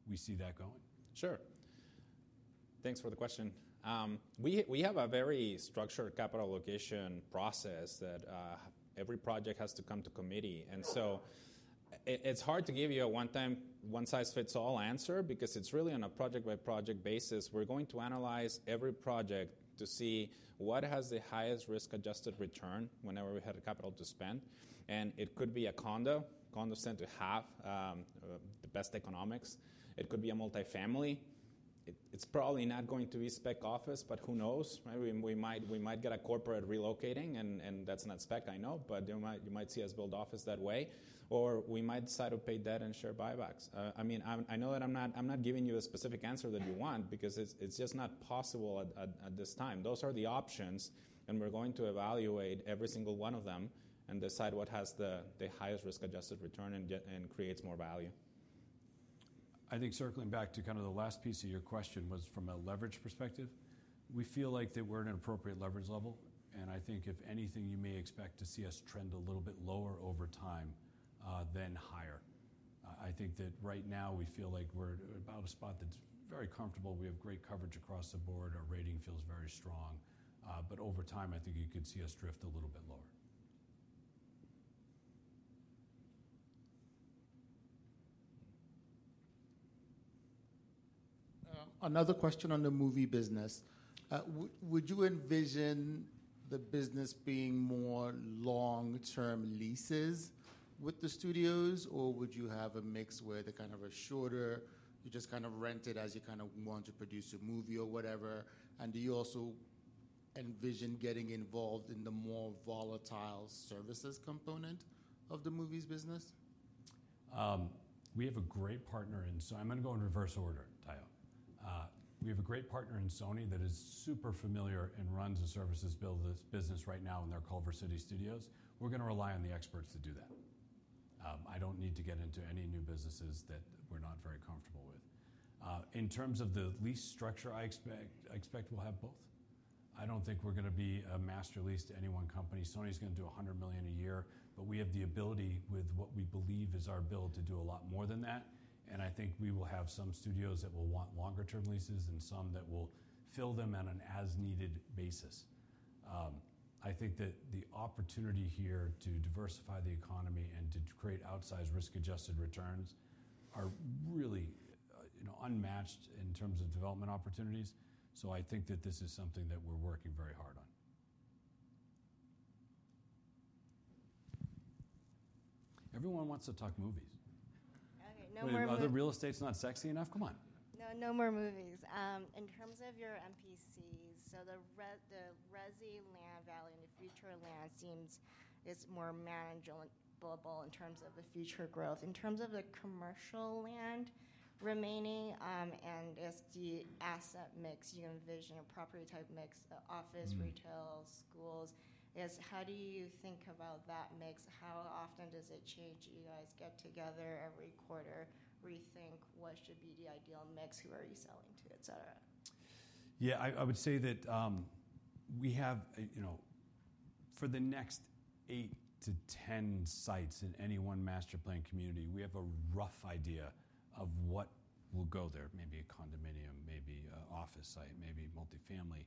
Speaker 2: we see that going.
Speaker 4: Sure. Thanks for the question. We have a very structured capital allocation process that every project has to come to committee. And so it's hard to give you a one-time one-size-fits-all answer because it's really on a project-by-project basis. We're going to analyze every project to see what has the highest risk-adjusted return whenever we had capital to spend. And it could be a condo, condo center to have the best economics. It could be a multi-family. It's probably not going to be spec office, but who knows? We might get a corporate relocating, and that's not spec, I know, but you might see us build office that way. Or we might decide to pay debt and share buybacks. I mean, I know that I'm not giving you a specific answer that you want because it's just not possible at this time. Those are the options, and we're going to evaluate every single one of them and decide what has the highest risk-adjusted return and creates more value.
Speaker 3: I think circling back to kind of the last piece of your question was from a leverage perspective. We feel like that we're at an appropriate leverage level. And I think if anything, you may expect to see us trend a little bit lower over time than higher. I think that right now, we feel like we're about a spot that's very comfortable. We have great coverage across the board. Our rating feels very strong. But over time, I think you could see us drift a little bit lower.
Speaker 6: Another question on the movie business. Would you envision the business being more long-term leases with the studios, or would you have a mix where they're kind of shorter, you just kind of rent it as you kind of want to produce a movie or whatever? And do you also envision getting involved in the more volatile services component of the movies business?
Speaker 2: We have a great partner in, so I'm going to go in reverse order. We have a great partner in Sony that is super familiar and runs a services business right now in their Culver City Studios. We're going to rely on the experts to do that. I don't need to get into any new businesses that we're not very comfortable with. In terms of the lease structure, I expect we'll have both. I don't think we're going to be a master lease to any one company. Sony is going to do $100 million a year, but we have the ability with what we believe is our build to do a lot more than that. I think we will have some studios that will want longer-term leases and some that will fill them on an as-needed basis. I think that the opportunity here to diversify the economy and to create outsized risk-adjusted returns are really unmatched in terms of development opportunities. So I think that this is something that we're working very hard on. Everyone wants to talk movies. Okay, no more movies. Other real estate's not sexy enough? Come on. No, no more movies. In terms of your MPCs, so the resi land value and the future land sales seem more manageable in terms of the future growth. In terms of the commercial land remaining and the asset mix, you envision a property type mix, office, retail, schools. How do you think about that mix? How often does it change? Do you guys get together every quarter, rethink what should be the ideal mix, who are you selling to, etc.? Yeah, I would say that we have, for the next eight to 10 sites in any one master plan community, we have a rough idea of what will go there. Maybe a condominium, maybe an office site, maybe multi-family.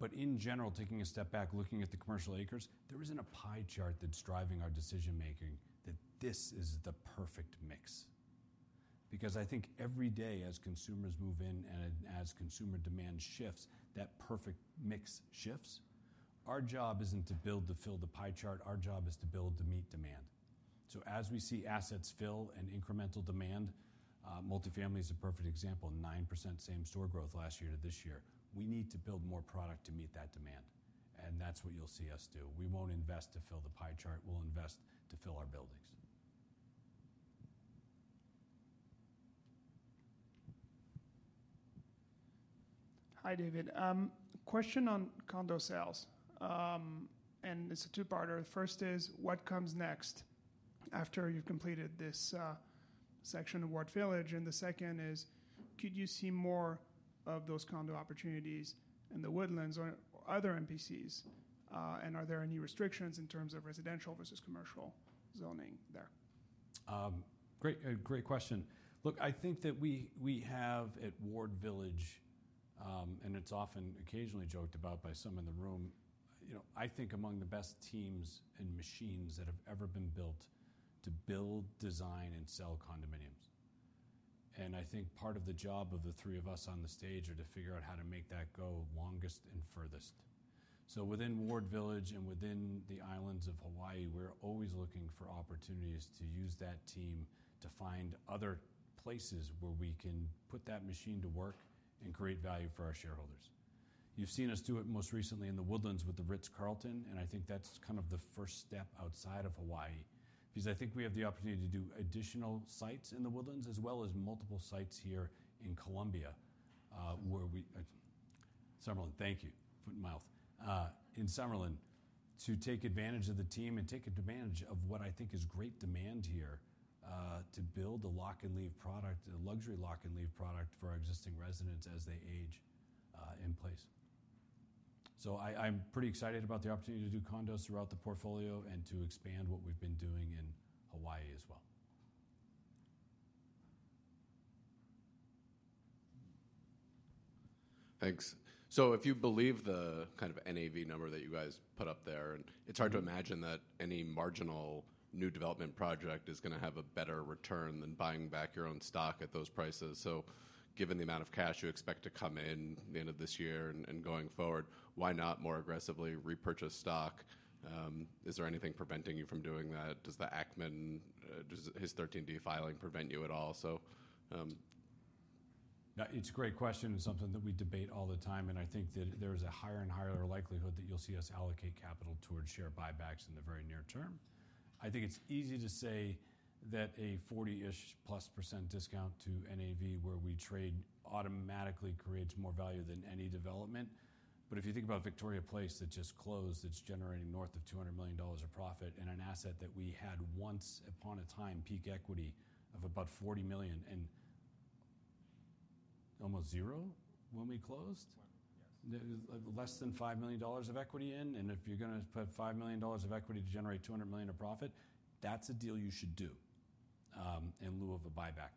Speaker 2: But in general, taking a step back, looking at the commercial acres, there isn't a pie chart that's driving our decision-making that this is the perfect mix. Because I think every day as consumers move in and as consumer demand shifts, that perfect mix shifts. Our job isn't to build to fill the pie chart. Our job is to build to meet demand. So as we see assets fill and incremental demand, multi-family is a perfect example, 9% same store growth last year to this year. We need to build more product to meet that demand. And that's what you'll see us do. We won't invest to fill the pie chart. We'll invest to fill our buildings. Hi, David. Question on condo sales. And it's a two-parter. The first is, what comes next after you've completed this section of Ward Village? And the second is, could you see more of those condo opportunities in The Woodlands or other MPCs? And are there any restrictions in terms of residential versus commercial zoning there? Great question. Look, I think that we have at Ward Village, and it's often occasionally joked about by some in the room, I think among the best teams and machines that have ever been built to build, design, and sell condominiums, and I think part of the job of the three of us on the stage is to figure out how to make that go longest and furthest. So within Ward Village and within the islands of Hawaii, we're always looking for opportunities to use that team to find other places where we can put that machine to work and create value for our shareholders. You've seen us do it most recently in The Woodlands with the Ritz-Carlton, and I think that's kind of the first step outside of Hawaii. Because I think we have the opportunity to do additional sites in The Woodlands, as well as multiple sites here in Columbia, where we thank you. Put in my mouth. In Summerlin, to take advantage of the team and take advantage of what I think is great demand here to build a lock-and-leave product, a luxury lock-and-leave product for our existing residents as they age in place. So I'm pretty excited about the opportunity to do condos throughout the portfolio and to expand what we've been doing in Hawaii as well. Thanks. So if you believe the kind of NAV number that you guys put up there, it's hard to imagine that any marginal new development project is going to have a better return than buying back your own stock at those prices. So given the amount of cash you expect to come in the end of this year and going forward, why not more aggressively repurchase stock? Is there anything preventing you from doing that? Does the Ackman, does his 13D filing prevent you at all?
Speaker 3: It's a great question and something that we debate all the time. And I think that there is a higher and higher likelihood that you'll see us allocate capital towards share buybacks in the very near term. I think it's easy to say that a 40-ish plus % discount to NAV where we trade automatically creates more value than any development. But if you think about Victoria Place that just closed, it's generating north of $200 million of profit and an asset that we had once upon a time peak equity of about $40 million and almost zero when we closed. Less than $5 million of equity in. And if you're going to put $5 million of equity to generate $200 million of profit, that's a deal you should do in lieu of a buyback.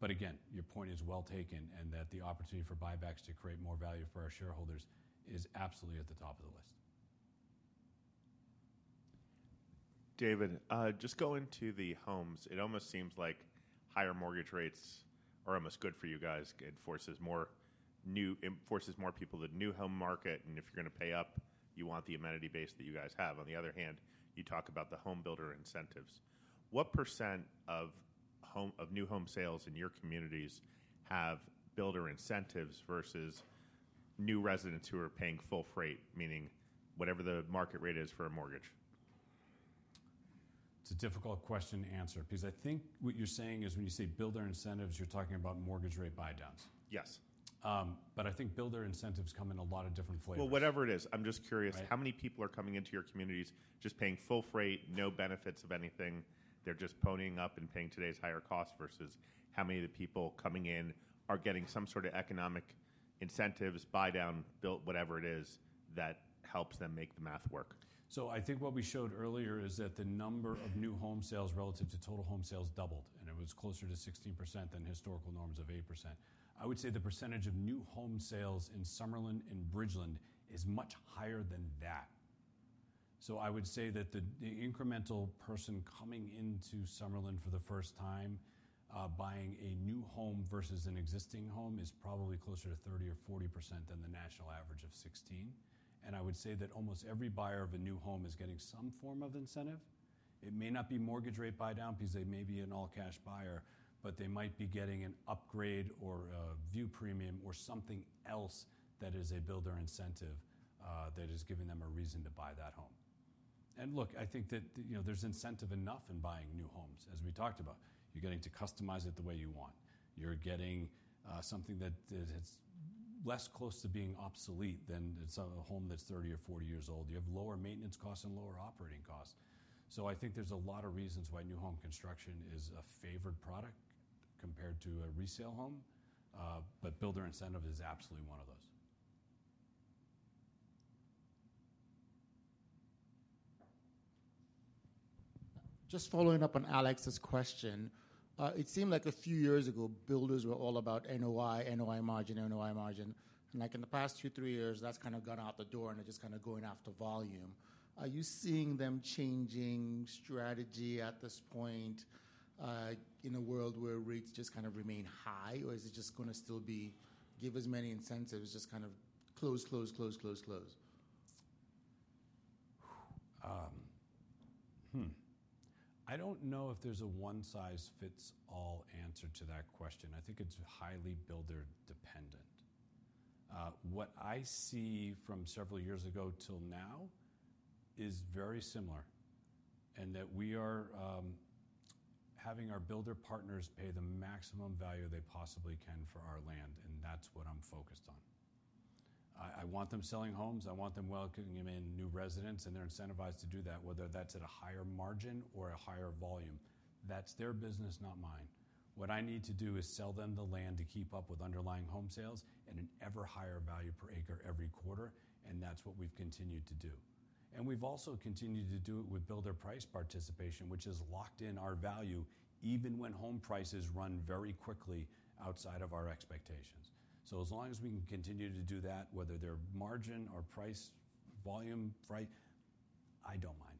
Speaker 3: But again, your point is well taken and that the opportunity for buybacks to create more value for our shareholders is absolutely at the top of the list. David, just going to the homes, it almost seems like higher mortgage rates are almost good for you guys and forces more people to new home market. And if you're going to pay up, you want the amenity base that you guys have. On the other hand, you talk about the homebuilder incentives. What % of new home sales in your communities have builder incentives versus new residents who are paying full freight, meaning whatever the market rate is for a mortgage?
Speaker 2: It's a difficult question to answer because I think what you're saying is when you say builder incentives, you're talking about mortgage rate buy-downs. Yes. But I think builder incentives come in a lot of different flavors. Well, whatever it is, I'm just curious how many people are coming into your communities just paying full freight, no benefits of anything. They're just ponying up and paying today's higher cost versus how many of the people coming in are getting some sort of economic incentives, buy-down, build, whatever it is that helps them make the math work. So I think what we showed earlier is that the number of new home sales relative to total home sales doubled, and it was closer to 16% than historical norms of 8%. I would say the percentage of new home sales in Summerlin and Bridgeland is much higher than that. So I would say that the incremental person coming into Summerlin for the first time buying a new home versus an existing home is probably closer to 30% or 40% than the national average of 16%. And I would say that almost every buyer of a new home is getting some form of incentive. It may not be mortgage rate buy-down because they may be an all-cash buyer, but they might be getting an upgrade or a view premium or something else that is a builder incentive that is giving them a reason to buy that home. And look, I think that there's incentive enough in buying new homes, as we talked about. You're getting to customize it the way you want. You're getting something that is less close to being obsolete than a home that's 30 or 40 years old. You have lower maintenance costs and lower operating costs. I think there's a lot of reasons why new home construction is a favored product compared to a resale home, but builder incentive is absolutely one of those. Just following up on Alex's question, it seemed like a few years ago, builders were all about NOI, NOI margin, NOI margin. And like in the past two, three years, that's kind of gone out the door and it's just kind of going after volume. Are you seeing them changing strategy at this point in a world where rates just kind of remain high, or is it just going to still give as many incentives, just kind of close, close, close, close, close? I don't know if there's a one-size-fits-all answer to that question. I think it's highly builder-dependent. What I see from several years ago till now is very similar and that we are having our builder partners pay the maximum value they possibly can for our land, and that's what I'm focused on. I want them selling homes. I want them welcoming in new residents, and they're incentivized to do that, whether that's at a higher margin or a higher volume. That's their business, not mine. What I need to do is sell them the land to keep up with underlying home sales and an ever higher value per acre every quarter, and that's what we've continued to do. And we've also continued to do it with builder price participation, which has locked in our value even when home prices run very quickly outside of our expectations. So as long as we can continue to do that, whether they're margin or price volume, I don't mind.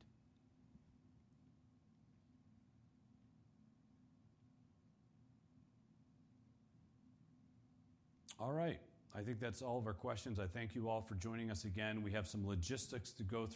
Speaker 1: All right. I think that's all of our questions. I thank you all for joining us again. We have some logistics to go through.